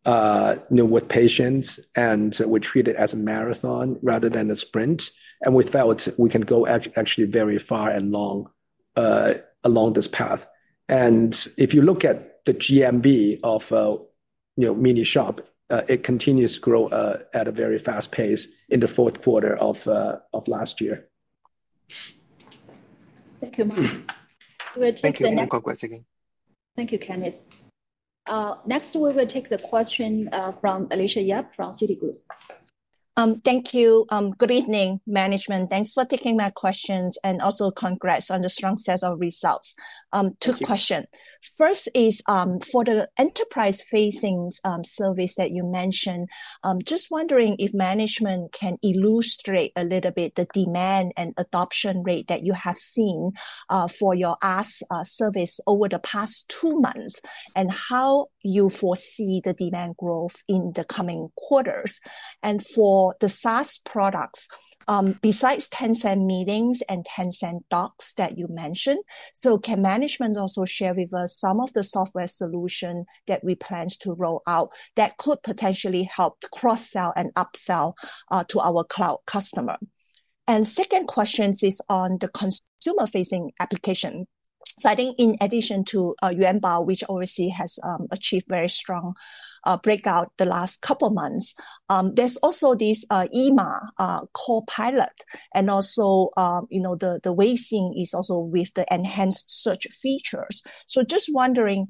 you know, with patience, and we treat it as a marathon rather than a sprint. We felt we can go actually very far and long along this path. If you look at the GMV of a, you know, mini shop, it continues to grow at a very fast pace in the fourth quarter of last year. [Thank you, Martin. We will take the next question]. Thank you, Kenneth. Next, we will take the question from Alicia Yap from Citigroup. Thank you. Good evening, management. Thanks for taking my questions, and also congrats on the strong set of results. Two questions. First is for the enterprise-facing service that you mentioned, just wondering if management can illustrate a little bit the demand and adoption rate that you have seen for your SaaS service over the past two months and how you foresee the demand growth in the coming quarters. For the SaaS products, besides Tencent Meeting and Tencent Docs that you mentioned, can management also share with us some of the software solutions that we plan to roll out that could potentially help cross-sell and upsell to our cloud customer? My second question is on the consumer-facing application. I think in addition to Yuanbao, which obviously has achieved very strong breakout the last couple of months, there is also this EMA, Copilot, and also, you know, the WeChat is also with the enhanced search features. I am just wondering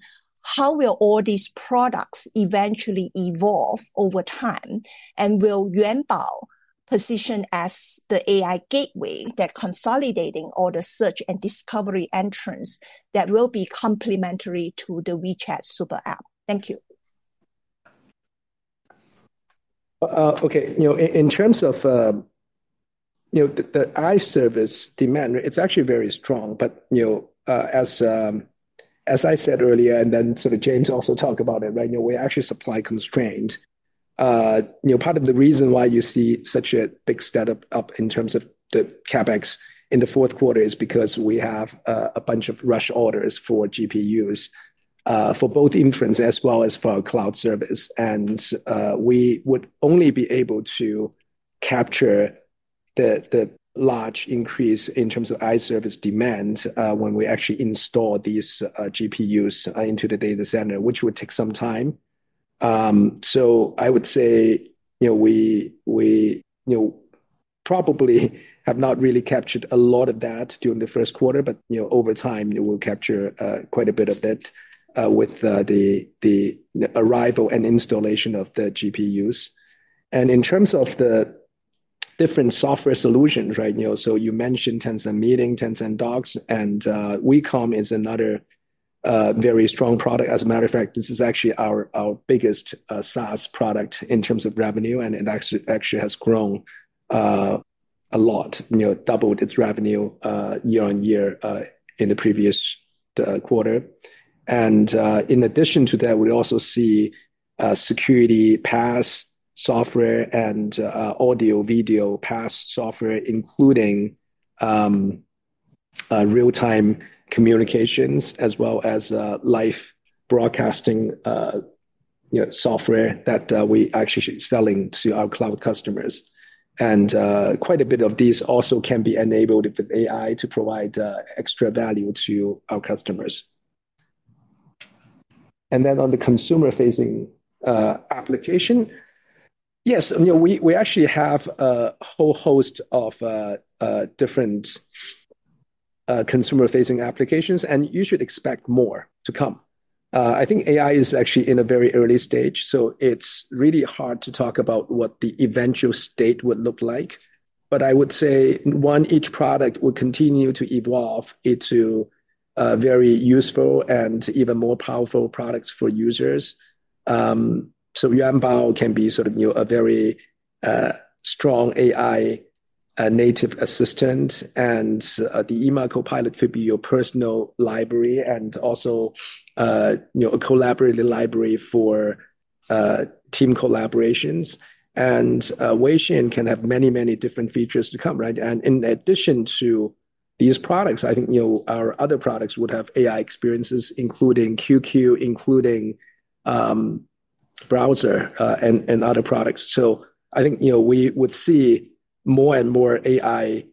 how will all these products eventually evolve over time, and will Yuanbao position as the AI gateway that consolidates all the search and discovery entrants that will be complementary to the WeChat Super App? Thank you. Okay, you know, in terms of, you know, the iService demand, right, it's actually very strong, but, you know, as I said earlier, and then sort of James also talked about it, right, you know, we're actually supply constrained. You know, part of the reason why you see such a big step up in terms of the CapEx in the fourth quarter is because we have a bunch of rush orders for GPUs for both inference as well as for our cloud service. And we would only be able to capture the large increase in terms of iService demand when we actually install these GPUs into the data center, which would take some time. I would say, you know, we, you know, probably have not really captured a lot of that during the first quarter, but, you know, over time, it will capture quite a bit of that with the arrival and installation of the GPUs. In terms of the different software solutions, right, you know, you mentioned Tencent Meeting, Tencent Docs, and WeCom is another very strong product. As a matter of fact, this is actually our biggest SaaS product in terms of revenue, and it actually has grown a lot, you know, doubled its revenue year on year in the previous quarter. In addition to that, we also see security PaaS software and audio-video PaaS software, including real-time communications as well as live broadcasting, you know, software that we actually sell to our cloud customers. Quite a bit of these also can be enabled with AI to provide extra value to our customers. On the consumer-facing application, yes, you know, we actually have a whole host of different consumer-facing applications, and you should expect more to come. I think AI is actually in a very early stage, so it's really hard to talk about what the eventual state would look like. I would say, one, each product would continue to evolve into very useful and even more powerful products for users. Yuanbao can be sort of, you know, a very strong AI-native assistant, and the EMA, Copilot could be your personal library and also, you know, a collaborative library for team collaborations. WeChain can have many, many different features to come, right? In addition to these products, I think, you know, our other products would have AI experiences, including QQ, including browser, and other products. I think, you know, we would see more and more AI,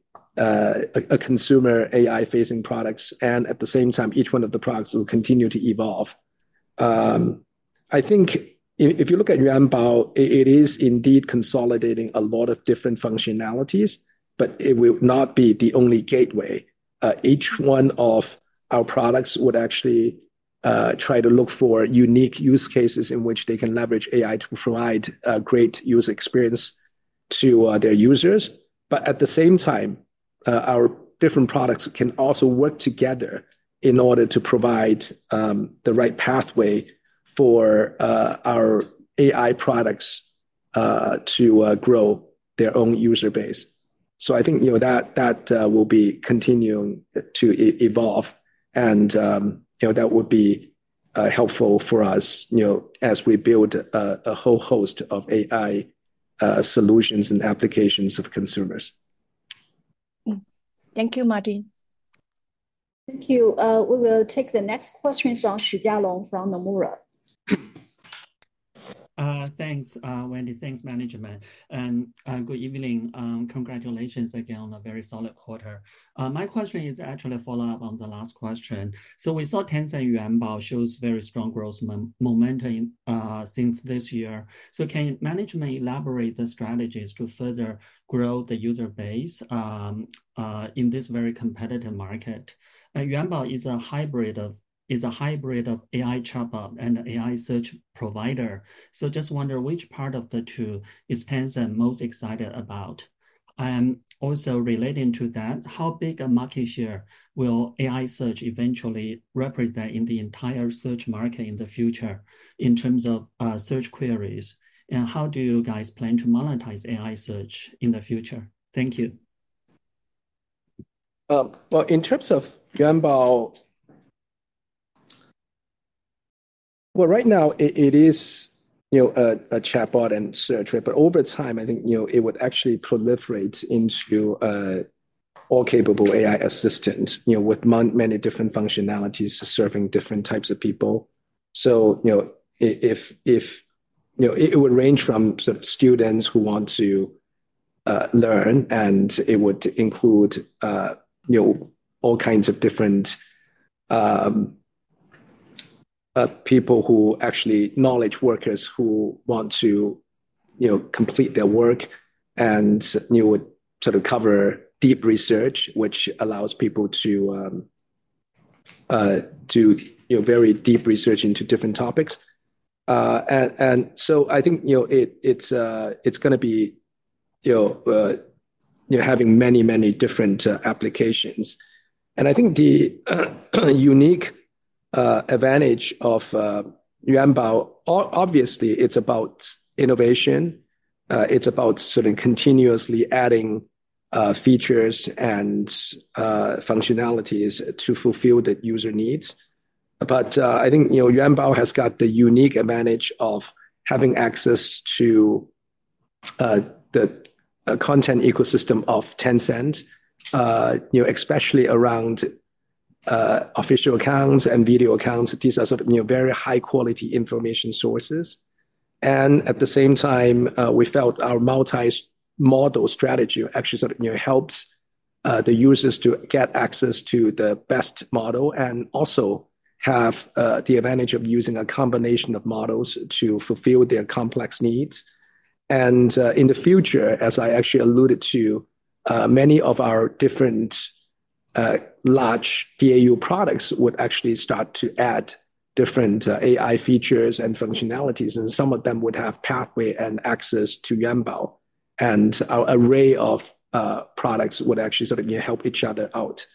consumer AI-facing products, and at the same time, each one of the products will continue to evolve. I think if you look at Yuanbao, it is indeed consolidating a lot of different functionalities, but it will not be the only gateway. Each one of our products would actually try to look for unique use cases in which they can leverage AI to provide a great user experience to their users. At the same time, our different products can also work together in order to provide the right pathway for our AI products to grow their own user base. So, I think, you know, that will be continuing to evolve, and, you know, that would be helpful for us, you know, as we build a whole host of AI solutions and applications for consumers. Thank you, Martin. Thank you. We will take the next question from Jialong Shi from Nomura. Thanks, Wendy. Thanks, management. And good evening. Congratulations again on a very solid quarter. My question is actually a follow-up on the last question. We saw Tencent and Yuanbao show very strong growth momentum since this year. Can management elaborate the strategies to further grow the user base in this very competitive market? Yuanbao is a hybrid of AI chatbot and an AI search provider. Just wonder which part of the two is Tencent most excited about? Also relating to that, how big a market share will AI search eventually represent in the entire search market in the future in terms of search queries? How do you guys plan to monetize AI search in the future? Thank you. In terms of Yuanbao, right now, it is, you know, a chatbot and searcher, but over time, I think, you know, it would actually proliferate into all-capable AI assistants, you know, with many different functionalities serving different types of people. You know, it would range from sort of students who want to learn, and it would include, you know, all kinds of different people who actually knowledge workers who want to, you know, complete their work, and you would sort of cover deep research, which allows people to do, you know, very deep research into different topics. I think, you know, it's going to be, you know, having many, many different applications. I think the unique advantage of Yuanbao, obviously, it's about innovation. It's about sort of continuously adding features and functionalities to fulfill the user needs. I think, you know, Yuanbao has got the unique advantage of having access to the content ecosystem of Tencent, you know, especially around official accounts and video accounts. These are sort of, you know, very high-quality information sources. At the same time, we felt our multimodal strategy actually sort of, you know, helps the users to get access to the best model and also have the advantage of using a combination of models to fulfill their complex needs. In the future, as I actually alluded to, many of our different large DAU products would actually start to add different AI features and functionalities, and some of them would have pathway and access to Yuanbao, and our array of products would actually sort of, you know, help each other out.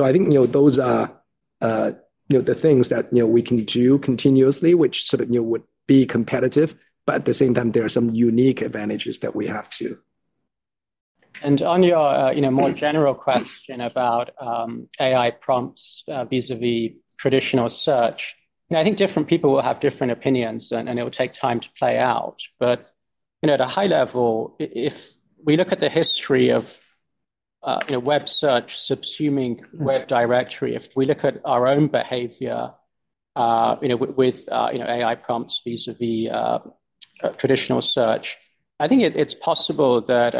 I think, you know, those are, you know, the things that, you know, we can do continuously, which sort of, you know, would be competitive, but at the same time, there are some unique advantages that we have too. On your, you know, more general question about AI prompts vis-à-vis traditional search, you know, I think different people will have different opinions, and it will take time to play out. But, you know, at a high level, if we look at the history of, you know, web search, subsuming web directory, if we look at our own behavior, you know, with, you know, AI prompts vis-à-vis traditional search, I think it's possible that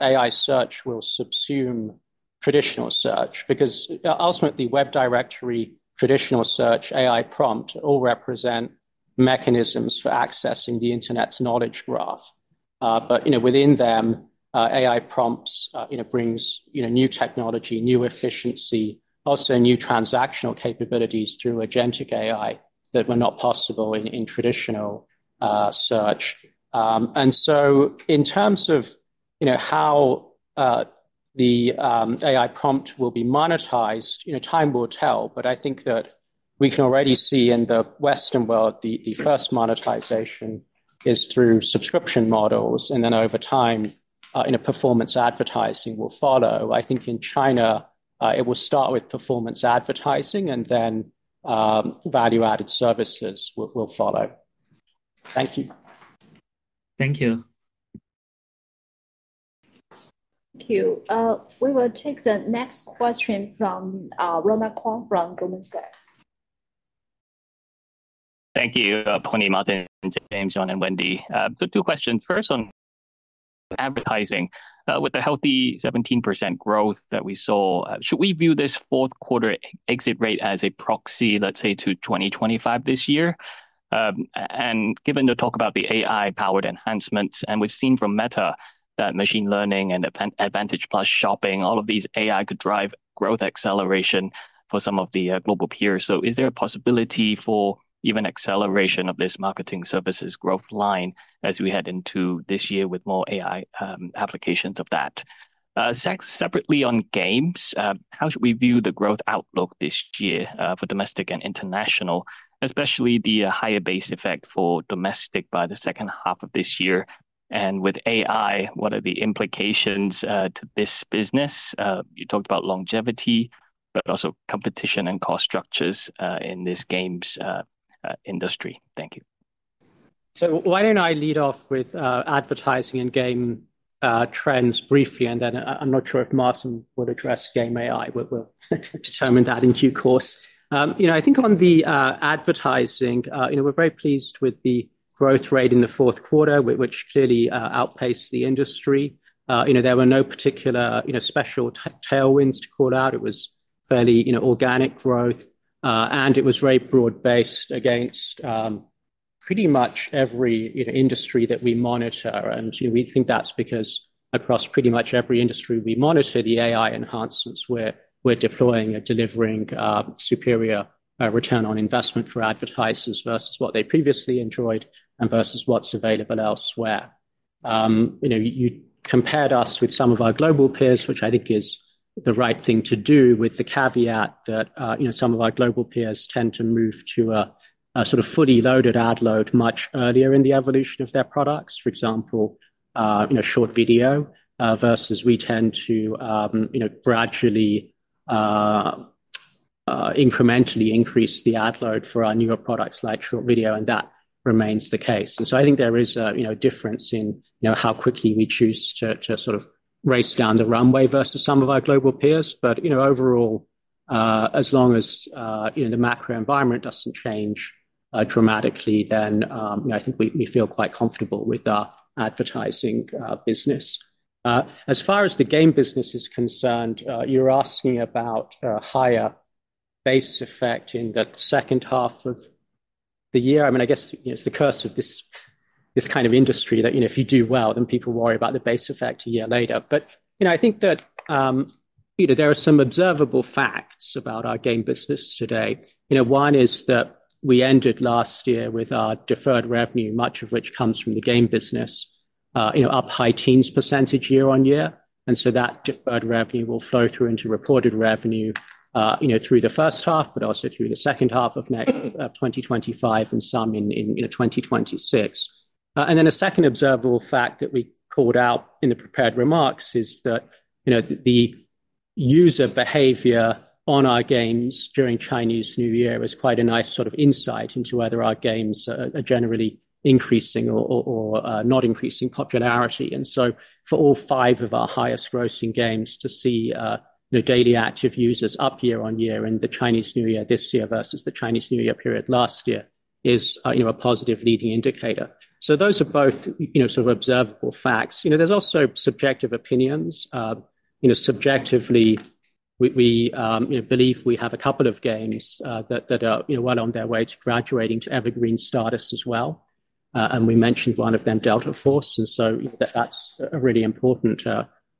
AI search will subsume traditional search because ultimately, web directory, traditional search, AI prompt all represent mechanisms for accessing the internet's knowledge graph. But, you know, within them, AI prompts, you know, brings, you know, new technology, new efficiency, also new transactional capabilities through agentic AI that were not possible in traditional search. And so, in terms of, you know, how the AI prompt will be monetized, you know, time will tell, but I think that we can already see in the Western world, the first monetization is through subscription models, and then over time, you know, performance advertising will follow. I think in China, it will start with performance advertising, and then value-added services will follow. Thank you. Thank you. Thank you. We will take the next question from Ronald Keung from Goldman Sachs. Thank you, Pony, Martin, James, John, and Wendy. Two questions. First, on advertising. With the healthy 17% growth that we saw, should we view this fourth quarter exit rate as a proxy, let's say, to 2025 this year? Given the talk about the AI-powered enhancements, and we've seen from Meta that machine learning and Advantage Plus shopping, all of these AI could drive growth acceleration for some of the global peers. Is there a possibility for even acceleration of this marketing services growth line as we head into this year with more AI applications of that? Separately on games, how should we view the growth outlook this year for domestic and international, especially the higher base effect for domestic by the second half of this year? And with AI, what are the implications to this business? You talked about longevity, but also competition and cost structures in this games industry. Thank you. Why don't I lead off with advertising and game trends briefly, and then I'm not sure if Martin would address game AI. We'll determine that in due course. You know, I think on the advertising, you know, we're very pleased with the growth rate in the fourth quarter, which clearly outpaced the industry. You know, there were no particular, you know, special tailwinds to call out. It was fairly, you know, organic growth, and it was very broad-based against pretty much every, you know, industry that we monitor. You know, we think that's because across pretty much every industry we monitor, the AI enhancements we're deploying are delivering superior return on investment for advertisers versus what they previously enjoyed and versus what's available elsewhere. You know, you compared us with some of our global peers, which I think is the right thing to do with the caveat that, you know, some of our global peers tend to move to a sort of fully loaded ad load much earlier in the evolution of their products. For example, you know, short video, versus we tend to, you know, gradually, incrementally increase the ad load for our newer products like short video, and that remains the case. I think there is a, you know, difference in, you know, how quickly we choose to sort of race down the runway versus some of our global peers. You know, overall, as long as, you know, the macro environment does not change dramatically, then, you know, I think we feel quite comfortable with our advertising business. As far as the game business is concerned, you are asking about a higher base effect in the second half of the year. I mean, I guess, you know, it is the curse of this kind of industry that, you know, if you do well, then people worry about the base effect a year later. You know, I think that, you know, there are some observable facts about our game business today. You know, one is that we ended last year with our deferred revenue, much of which comes from the game business, up high teens % year on year. That deferred revenue will flow through into reported revenue, you know, through the first half, but also through the second half of 2025 and some in, you know, 2026. A second observable fact that we called out in the prepared remarks is that, you know, the user behavior on our games during Chinese New Year is quite a nice sort of insight into whether our games are generally increasing or not increasing popularity. For all five of our highest grossing games to see, you know, daily active users up year on year in the Chinese New Year this year versus the Chinese New Year period last year is, you know, a positive leading indicator. Those are both, you know, sort of observable facts. You know, there's also subjective opinions. You know, subjectively, we, you know, believe we have a couple of games that are, you know, well on their way to graduating to evergreen status as well. We mentioned one of them, Delta Force. You know, that's a really important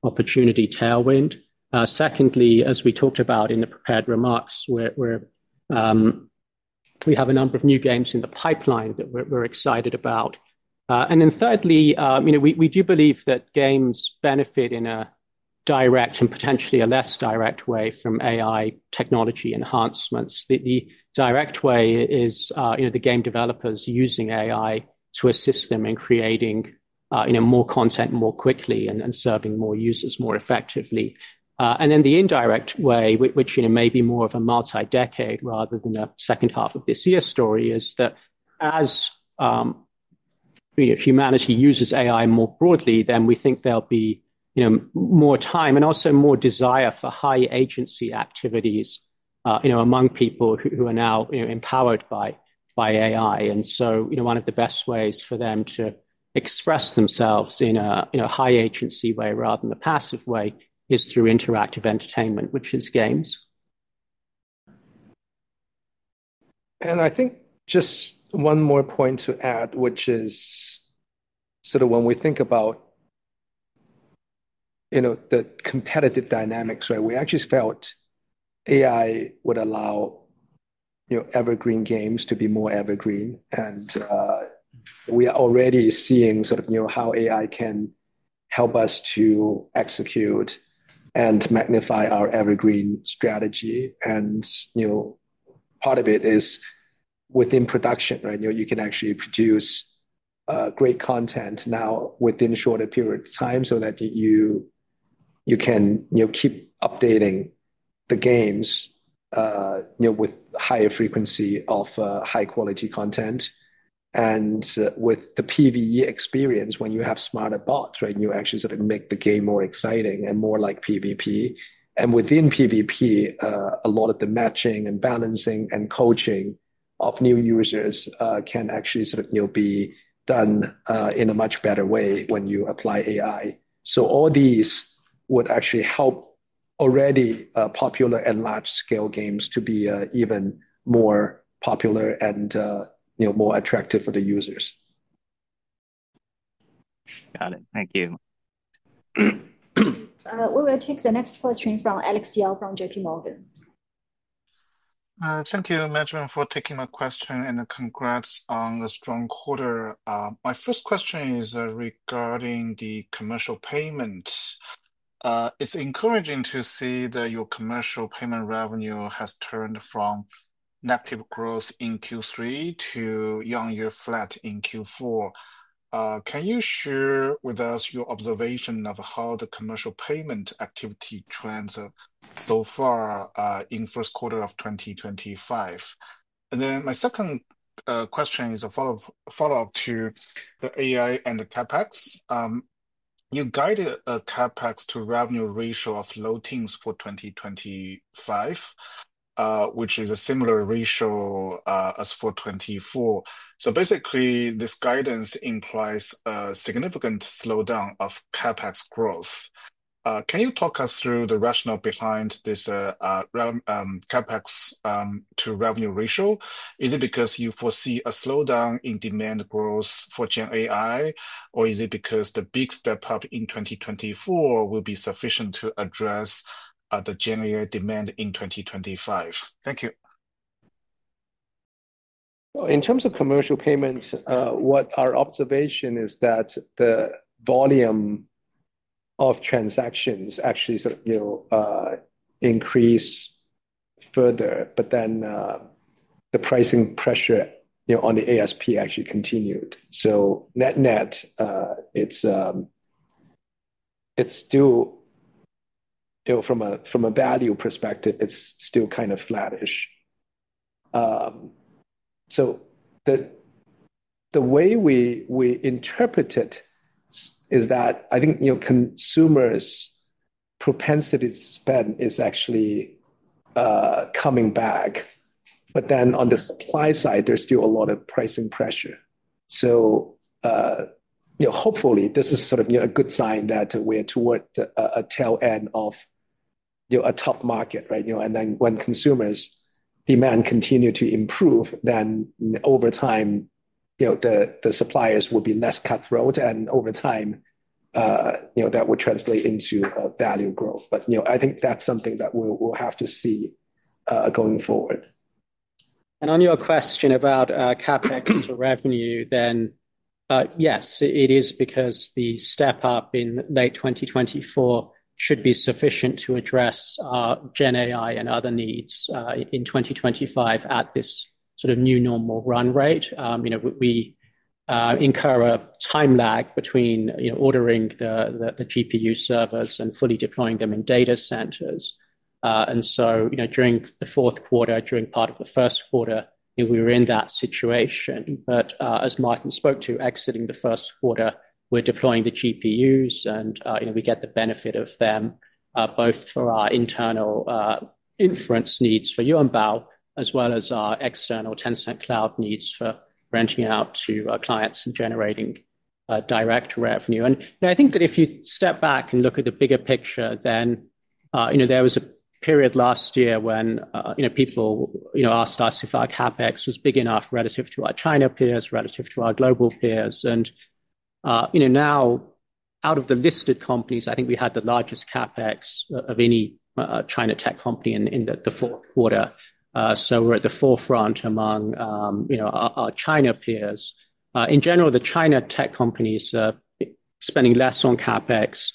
opportunity tailwind. Secondly, as we talked about in the prepared remarks, we have a number of new games in the pipeline that we're excited about. Thirdly, you know, we do believe that games benefit in a direct and potentially a less direct way from AI technology enhancements. The direct way is, you know, the game developers using AI to assist them in creating, you know, more content more quickly and serving more users more effectively. Then the indirect way, which, you know, may be more of a multi-decade rather than a second half of this year story, is that as humanity uses AI more broadly, we think there will be, you know, more time and also more desire for high agency activities, you know, among people who are now, you know, empowered by AI. One of the best ways for them to express themselves in a, you know, high agency way rather than a passive way is through interactive entertainment, which is games. I think just one more point to add, which is sort of when we think about, you know, the competitive dynamics, right? We actually felt AI would allow, you know, evergreen games to be more evergreen. We are already seeing sort of, you know, how AI can help us to execute and magnify our evergreen strategy. Part of it is within production, right? You know, you can actually produce great content now within a shorter period of time so that you can, you know, keep updating the games, you know, with higher frequency of high-quality content. With the PvE experience, when you have smarter bots, right, you actually sort of make the game more exciting and more like PvP. Within PvP, a lot of the matching and balancing and coaching of new users can actually sort of, you know, be done in a much better way when you apply AI. All these would actually help already popular and large-scale games to be even more popular and, you know, more attractive for the users. Got it. Thank you. We will take the next question from Alex Yao from JP Morgan. Thank you, Madam, for taking my question and congrats on the strong quarter. My first question is regarding the commercial payments. It's encouraging to see that your commercial payment revenue has turned from negative growth in Q3 to year-on-year flat in Q4. Can you share with us your observation of how the commercial payment activity trends so far in the first quarter of 2025? My second question is a follow-up to the AI and the CapEx. You guided a CapEx to revenue ratio of low teens for 2025, which is a similar ratio as for 2024. This guidance implies a significant slowdown of CapEx growth. Can you talk us through the rationale behind this CapEx to revenue ratio? Is it because you foresee a slowdown in demand growth for GenAI, or is it because the big step up in 2024 will be sufficient to address the GenAI demand in 2025? Thank you. In terms of commercial payments, what our observation is that the volume of transactions actually sort of, you know, increased further, but then the pricing pressure, you know, on the ASP actually continued. Net-net, it's still, you know, from a value perspective, it's still kind of flattish. The way we interpret it is that I think, you know, consumers' propensity to spend is actually coming back. On the supply side, there's still a lot of pricing pressure. Hopefully, this is sort of, you know, a good sign that we're toward a tail end of, you know, a tough market, right? You know, and then when consumers' demand continues to improve, then over time, you know, the suppliers will be less cutthroat, and over time, you know, that will translate into value growth. You know, I think that's something that we'll have to see going forward. On your question about CapEx to revenue, then yes, it is because the step up in late 2024 should be sufficient to address GenAI and other needs in 2025 at this sort of new normal run rate. You know, we incur a time lag between, you know, ordering the GPU servers and fully deploying them in data centers. You know, during the fourth quarter, during part of the first quarter, we were in that situation. As Martin spoke to, exiting the first quarter, we're deploying the GPUs, and, you know, we get the benefit of them both for our internal inference needs for Yuanbao as well as our external Tencent Cloud needs for renting out to our clients and generating direct revenue. You know, I think that if you step back and look at the bigger picture, then, you know, there was a period last year when, you know, people, you know, asked us if our CapEx was big enough relative to our China peers, relative to our global peers. You know, now, out of the listed companies, I think we had the largest CapEx of any China tech company in the fourth quarter. We're at the forefront among, you know, our China peers. In general, the China tech companies are spending less on CapEx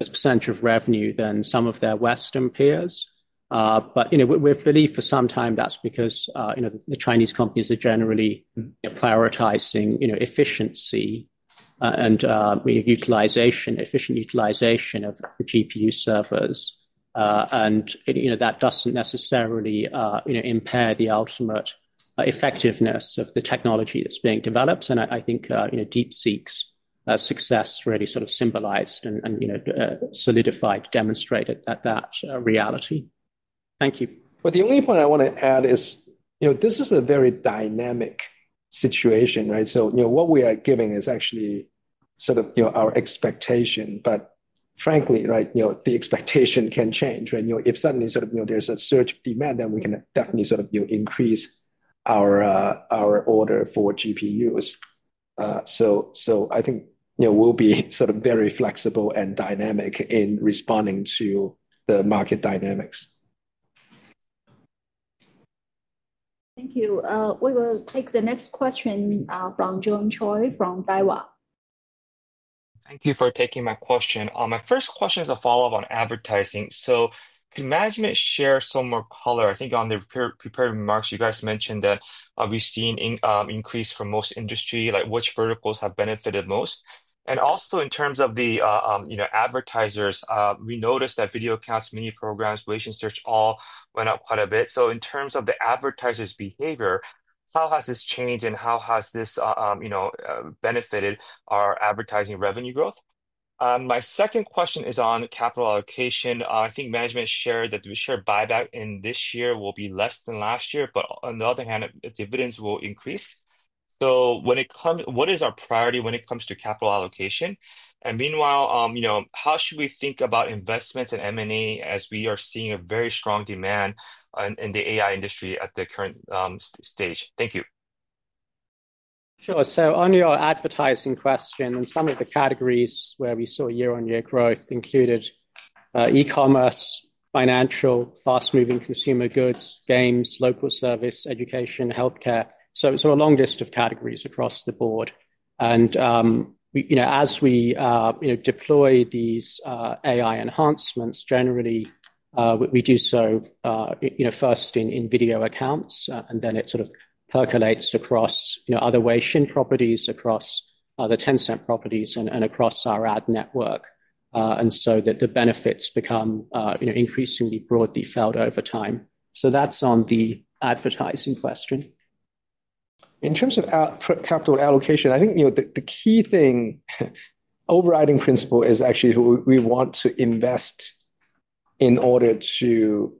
as a percentage of revenue than some of their Western peers. You know, we believe for some time that's because, you know, the Chinese companies are generally prioritizing, you know, efficiency and utilization, efficient utilization of the GPU servers. You know, that does not necessarily, you know, impair the ultimate effectiveness of the technology that is being developed. I think, you know, DeepSeek's success really sort of symbolized and, you know, solidified, demonstrated that reality. Thank you. The only point I want to add is, you know, this is a very dynamic situation, right? You know, what we are giving is actually sort of, you know, our expectation. Frankly, right, you know, the expectation can change, right? You know, if suddenly sort of, you know, there is a surge of demand, then we can definitely sort of, you know, increase our order for GPUs. I think, you know, we will be sort of very flexible and dynamic in responding to the market dynamics. Thank you. We will take the next question from John Choi from Daiwa. Thank you for taking my question. My first question is a follow-up on advertising. Can management share some more color? I think on the prepared remarks, you guys mentioned that we have seen an increase for most industry, like which verticals have benefited most. Also, in terms of the, you know, advertisers, we noticed that Video Accounts, Mini Programs, relation search all went up quite a bit. In terms of the advertisers' behavior, how has this changed and how has this, you know, benefited our advertising revenue growth? My second question is on capital allocation. I think management shared that the share buyback in this year will be less than last year, but on the other hand, dividends will increase. When it comes, what is our priority when it comes to capital allocation? Meanwhile, you know, how should we think about investments in M&A as we are seeing a very strong demand in the AI industry at the current stage? Thank you. Sure. On your advertising question, some of the categories where we saw year-on-year growth included e-commerce, financial, fast-moving consumer goods, games, local service, education, healthcare. It is a long list of categories across the board. As we deploy these AI enhancements, generally, we do so first in Video Accounts, and then it sort of percolates across other Weixin properties, across other Tencent properties, and across our ad network. The benefits become increasingly broadly felt over time. That's on the advertising question. In terms of capital allocation, I think the key thing, overriding principle is actually we want to invest in order to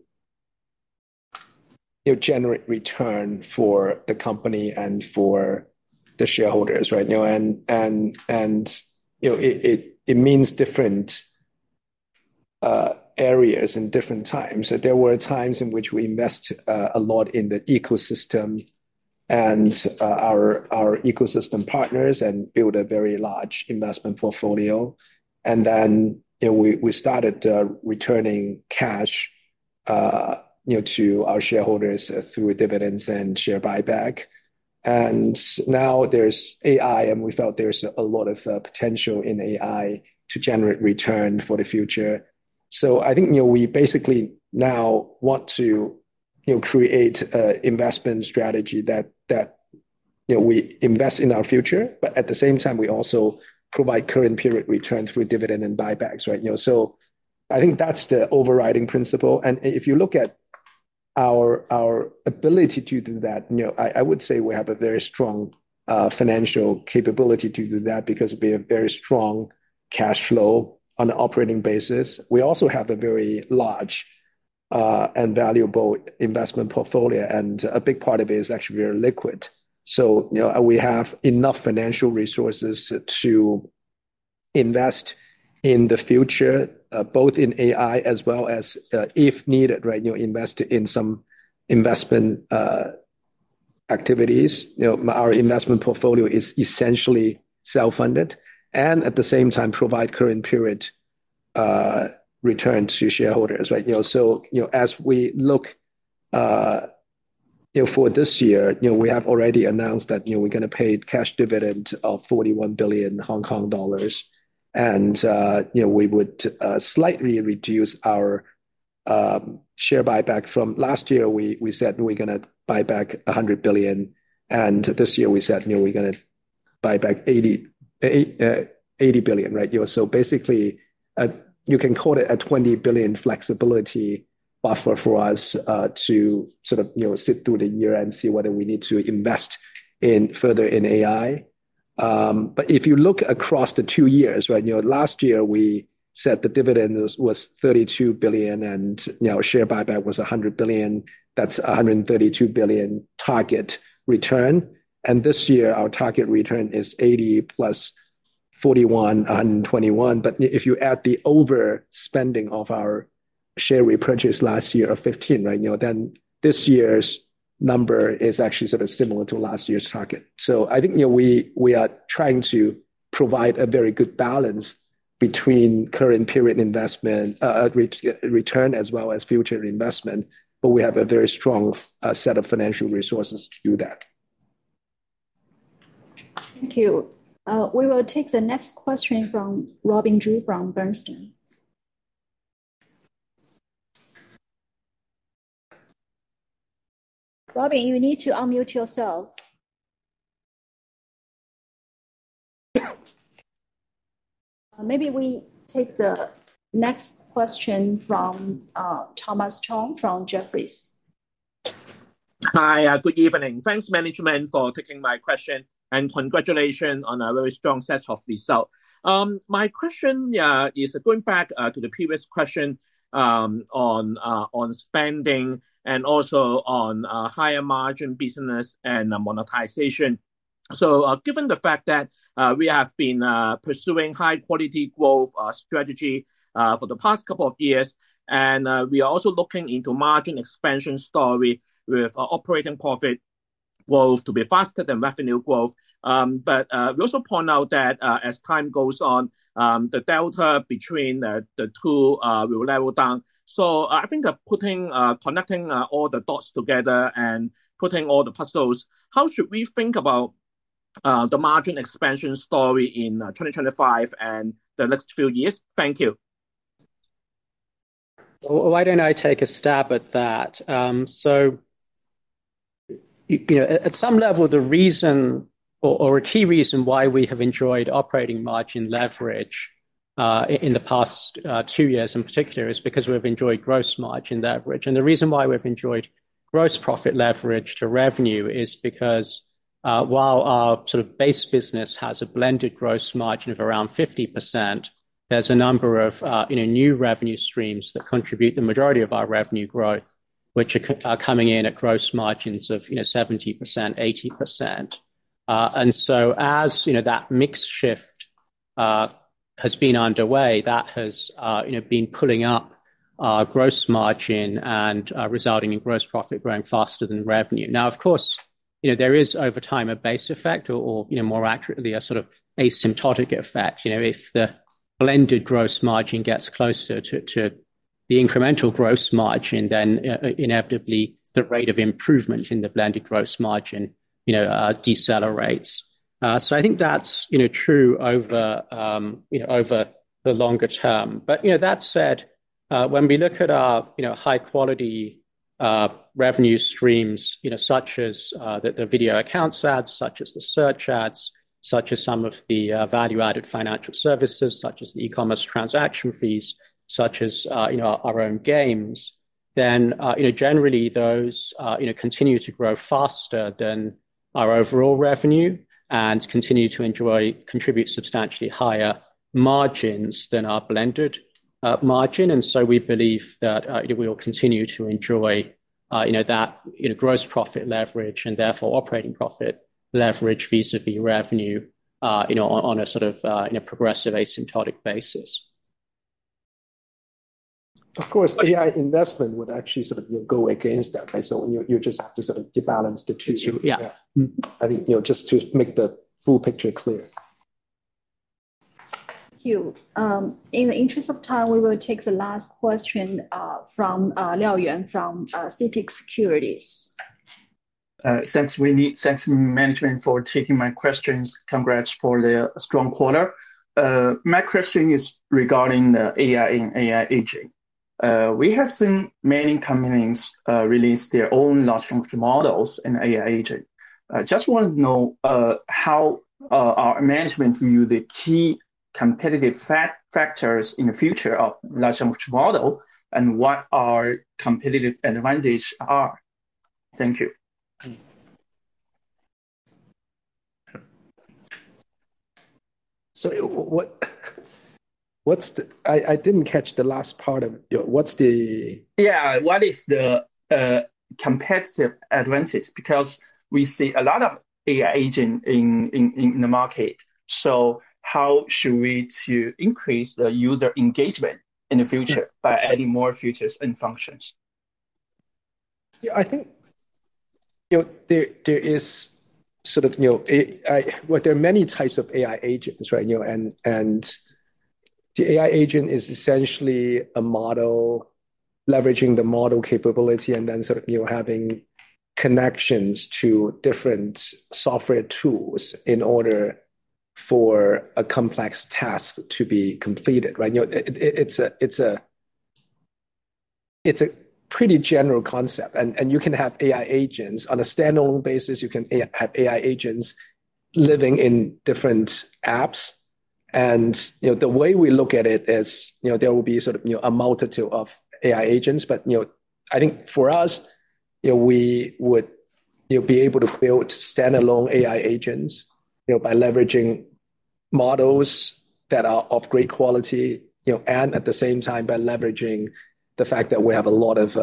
generate return for the company and for the shareholders, right? It means different areas in different times. There were times in which we invest a lot in the ecosystem and our ecosystem partners and build a very large investment portfolio. You know, we started returning cash, you know, to our shareholders through dividends and share buyback. Now there's AI, and we felt there's a lot of potential in AI to generate return for the future. I think, you know, we basically now want to, you know, create an investment strategy that, you know, we invest in our future, but at the same time, we also provide current period return through dividend and buybacks, right? You know, I think that's the overriding principle. If you look at our ability to do that, you know, I would say we have a very strong financial capability to do that because we have very strong cash flow on an operating basis. We also have a very large and valuable investment portfolio, and a big part of it is actually very liquid. You know, we have enough financial resources to invest in the future, both in AI as well as, if needed, right? You know, invest in some investment activities. You know, our investment portfolio is essentially self-funded and at the same time provide current period return to shareholders, right? You know, as we look, you know, for this year, you know, we have already announced that, you know, we're going to pay cash dividend of 41 billion Hong Kong dollars. You know, we would slightly reduce our share buyback. From last year, we said we're going to buy back 100 billion. This year, we said, you know, we're going to buy back 80 billion, right? You know, so basically, you can call it a 20 billion flexibility buffer for us to sort of, you know, sit through the year and see whether we need to invest further in AI. If you look across the two years, right, you know, last year we said the dividend was 32 billion and, you know, share buyback was 100 billion. That is a 132 billion target return. This year, our target return is 80 billion plus 41 billion, 121 billion. If you add the overspending of our share repurchase last year of 15 billion, right, you know, then this year's number is actually sort of similar to last year's target. I think, you know, we are trying to provide a very good balance between current period investment return as well as future investment, but we have a very strong set of financial resources to do that. Thank you. We will take the next question from Robin Zhu from Bernstein. Robin, you need to unmute yourself. Maybe we take the next question from Thomas Chong from Jefferies. Hi, good evening. Thanks, management, for taking my question and congratulations on a very strong set of results. My question is going back to the previous question on spending and also on higher margin business and monetization. Given the fact that we have been pursuing high-quality growth strategy for the past couple of years, and we are also looking into margin expansion story with operating profit growth to be faster than revenue growth. We also point out that as time goes on, the delta between the two will level down. I think of putting, connecting all the dots together and putting all the puzzles, how should we think about the margin expansion story in 2025 and the next few years? Thank you. Why don't I take a stab at that? You know, at some level, the reason or a key reason why we have enjoyed operating margin leverage in the past two years in particular is because we've enjoyed gross margin leverage. The reason why we've enjoyed gross profit leverage to revenue is because while our sort of base business has a blended gross margin of around 50%, there's a number of, you know, new revenue streams that contribute the majority of our revenue growth, which are coming in at gross margins of, you know, 70%, 80%. As you know, that mix shift has been underway, that has, you know, been pulling up our gross margin and resulting in gross profit growing faster than revenue. Now, of course, you know, there is over time a base effect or, you know, more accurately, a sort of asymptotic effect. You know, if the blended gross margin gets closer to the incremental gross margin, then inevitably the rate of improvement in the blended gross margin, you know, decelerates. I think that's, you know, true over, you know, over the longer term. That said, when we look at our high-quality revenue streams, you know, such as the video accounts ads, such as the search ads, such as some of the value-added financial services, such as the e-commerce transaction fees, such as, you know, our own games, then, you know, generally those, you know, continue to grow faster than our overall revenue and continue to enjoy, contribute substantially higher margins than our blended margin. We believe that, you know, we will continue to enjoy, you know, that, you know, gross profit leverage and therefore operating profit leverage vis-à-vis revenue, you know, on a sort of, you know, progressive asymptotic basis. Of course, AI investment would actually sort of go against that, right? You just have to sort of debalance the two. Yeah. I think, you know, just to make the full picture clear. Thank you. In the interest of time, we will take the last question from Liao Yuan from CITIC Securities. Thanks, Management, for taking my questions. Congrats for the strong quarter. My question is regarding the AI and AI agent. We have seen many companies release their own large language models and AI agent. Just want to know how our management view the key competitive factors in the future of large language models and what our competitive advantages are. Thank you. What's the, I didn't catch the last part of your, what's the. Yeah, what is the competitive advantage? Because we see a lot of AI agent in the market. How should we increase the user engagement in the future by adding more features and functions? Yeah, I think, you know, there is sort of, you know, there are many types of AI agents, right? You know, and the AI agent is essentially a model leveraging the model capability and then sort of, you know, having connections to different software tools in order for a complex task to be completed, right? You know, it's a, it's a pretty general concept. You can have AI agents on a standalone basis. You can have AI agents living in different apps. You know, the way we look at it is, you know, there will be sort of, you know, a multitude of AI agents. You know, I think for us, you know, we would, you know, be able to build standalone AI agents, you know, by leveraging models that are of great quality, you know, and at the same time by leveraging the fact that we have a lot of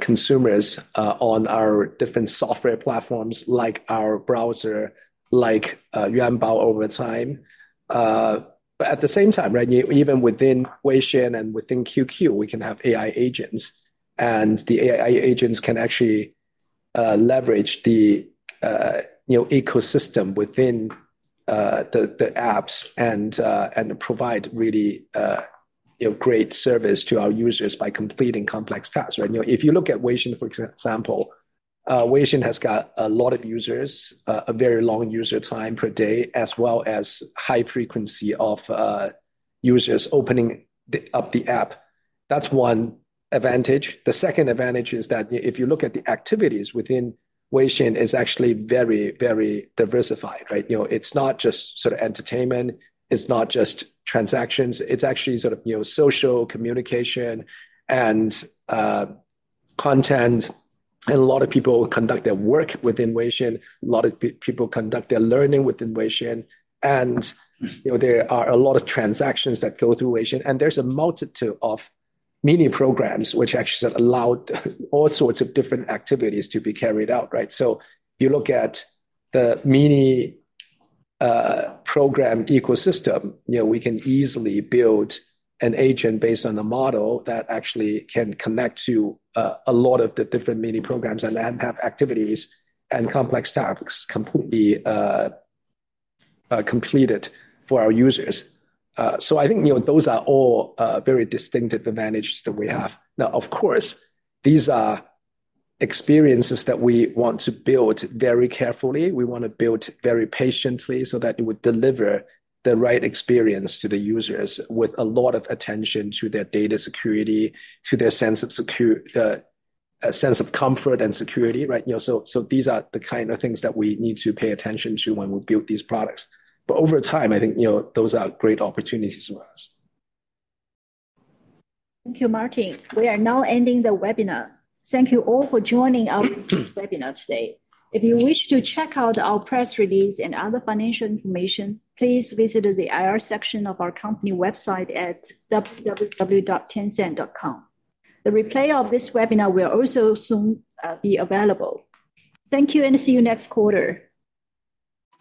consumers on our different software platforms like our browser, like Yuanbao over time. At the same time, right, even within Weixin and within QQ, we can have AI agents. And the AI agents can actually leverage the, you know, ecosystem within the apps and provide really, you know, great service to our users by completing complex tasks, right? You know, if you look at Weixin, for example, Weixin has got a lot of users, a very long user time per day, as well as high frequency of users opening up the app. That's one advantage. The second advantage is that if you look at the activities within Weixin, it's actually very, very diversified, right? You know, it's not just sort of entertainment. It's not just transactions. It's actually sort of, you know, social communication and content. And a lot of people conduct their work within Weixin. A lot of people conduct their learning within Weixin. You know, there are a lot of transactions that go through Weixin. There is a multitude of mini programs, which actually allow all sorts of different activities to be carried out, right? If you look at the mini program ecosystem, you know, we can easily build an agent based on a model that actually can connect to a lot of the different mini programs and have activities and complex tasks completely completed for our users. I think, you know, those are all very distinctive advantages that we have. Now, of course, these are experiences that we want to build very carefully. We want to build very patiently so that it would deliver the right experience to the users with a lot of attention to their data security, to their sense of secure, sense of comfort and security, right? You know, so these are the kind of things that we need to pay attention to when we build these products. Over time, I think, you know, those are great opportunities for us. Thank you, Martin. We are now ending the webinar. Thank you all for joining our business webinar today. If you wish to check out our press release and other financial information, please visit the IR section of our company website at www.tencent.com. The replay of this webinar will also soon be available. Thank you and see you next quarter.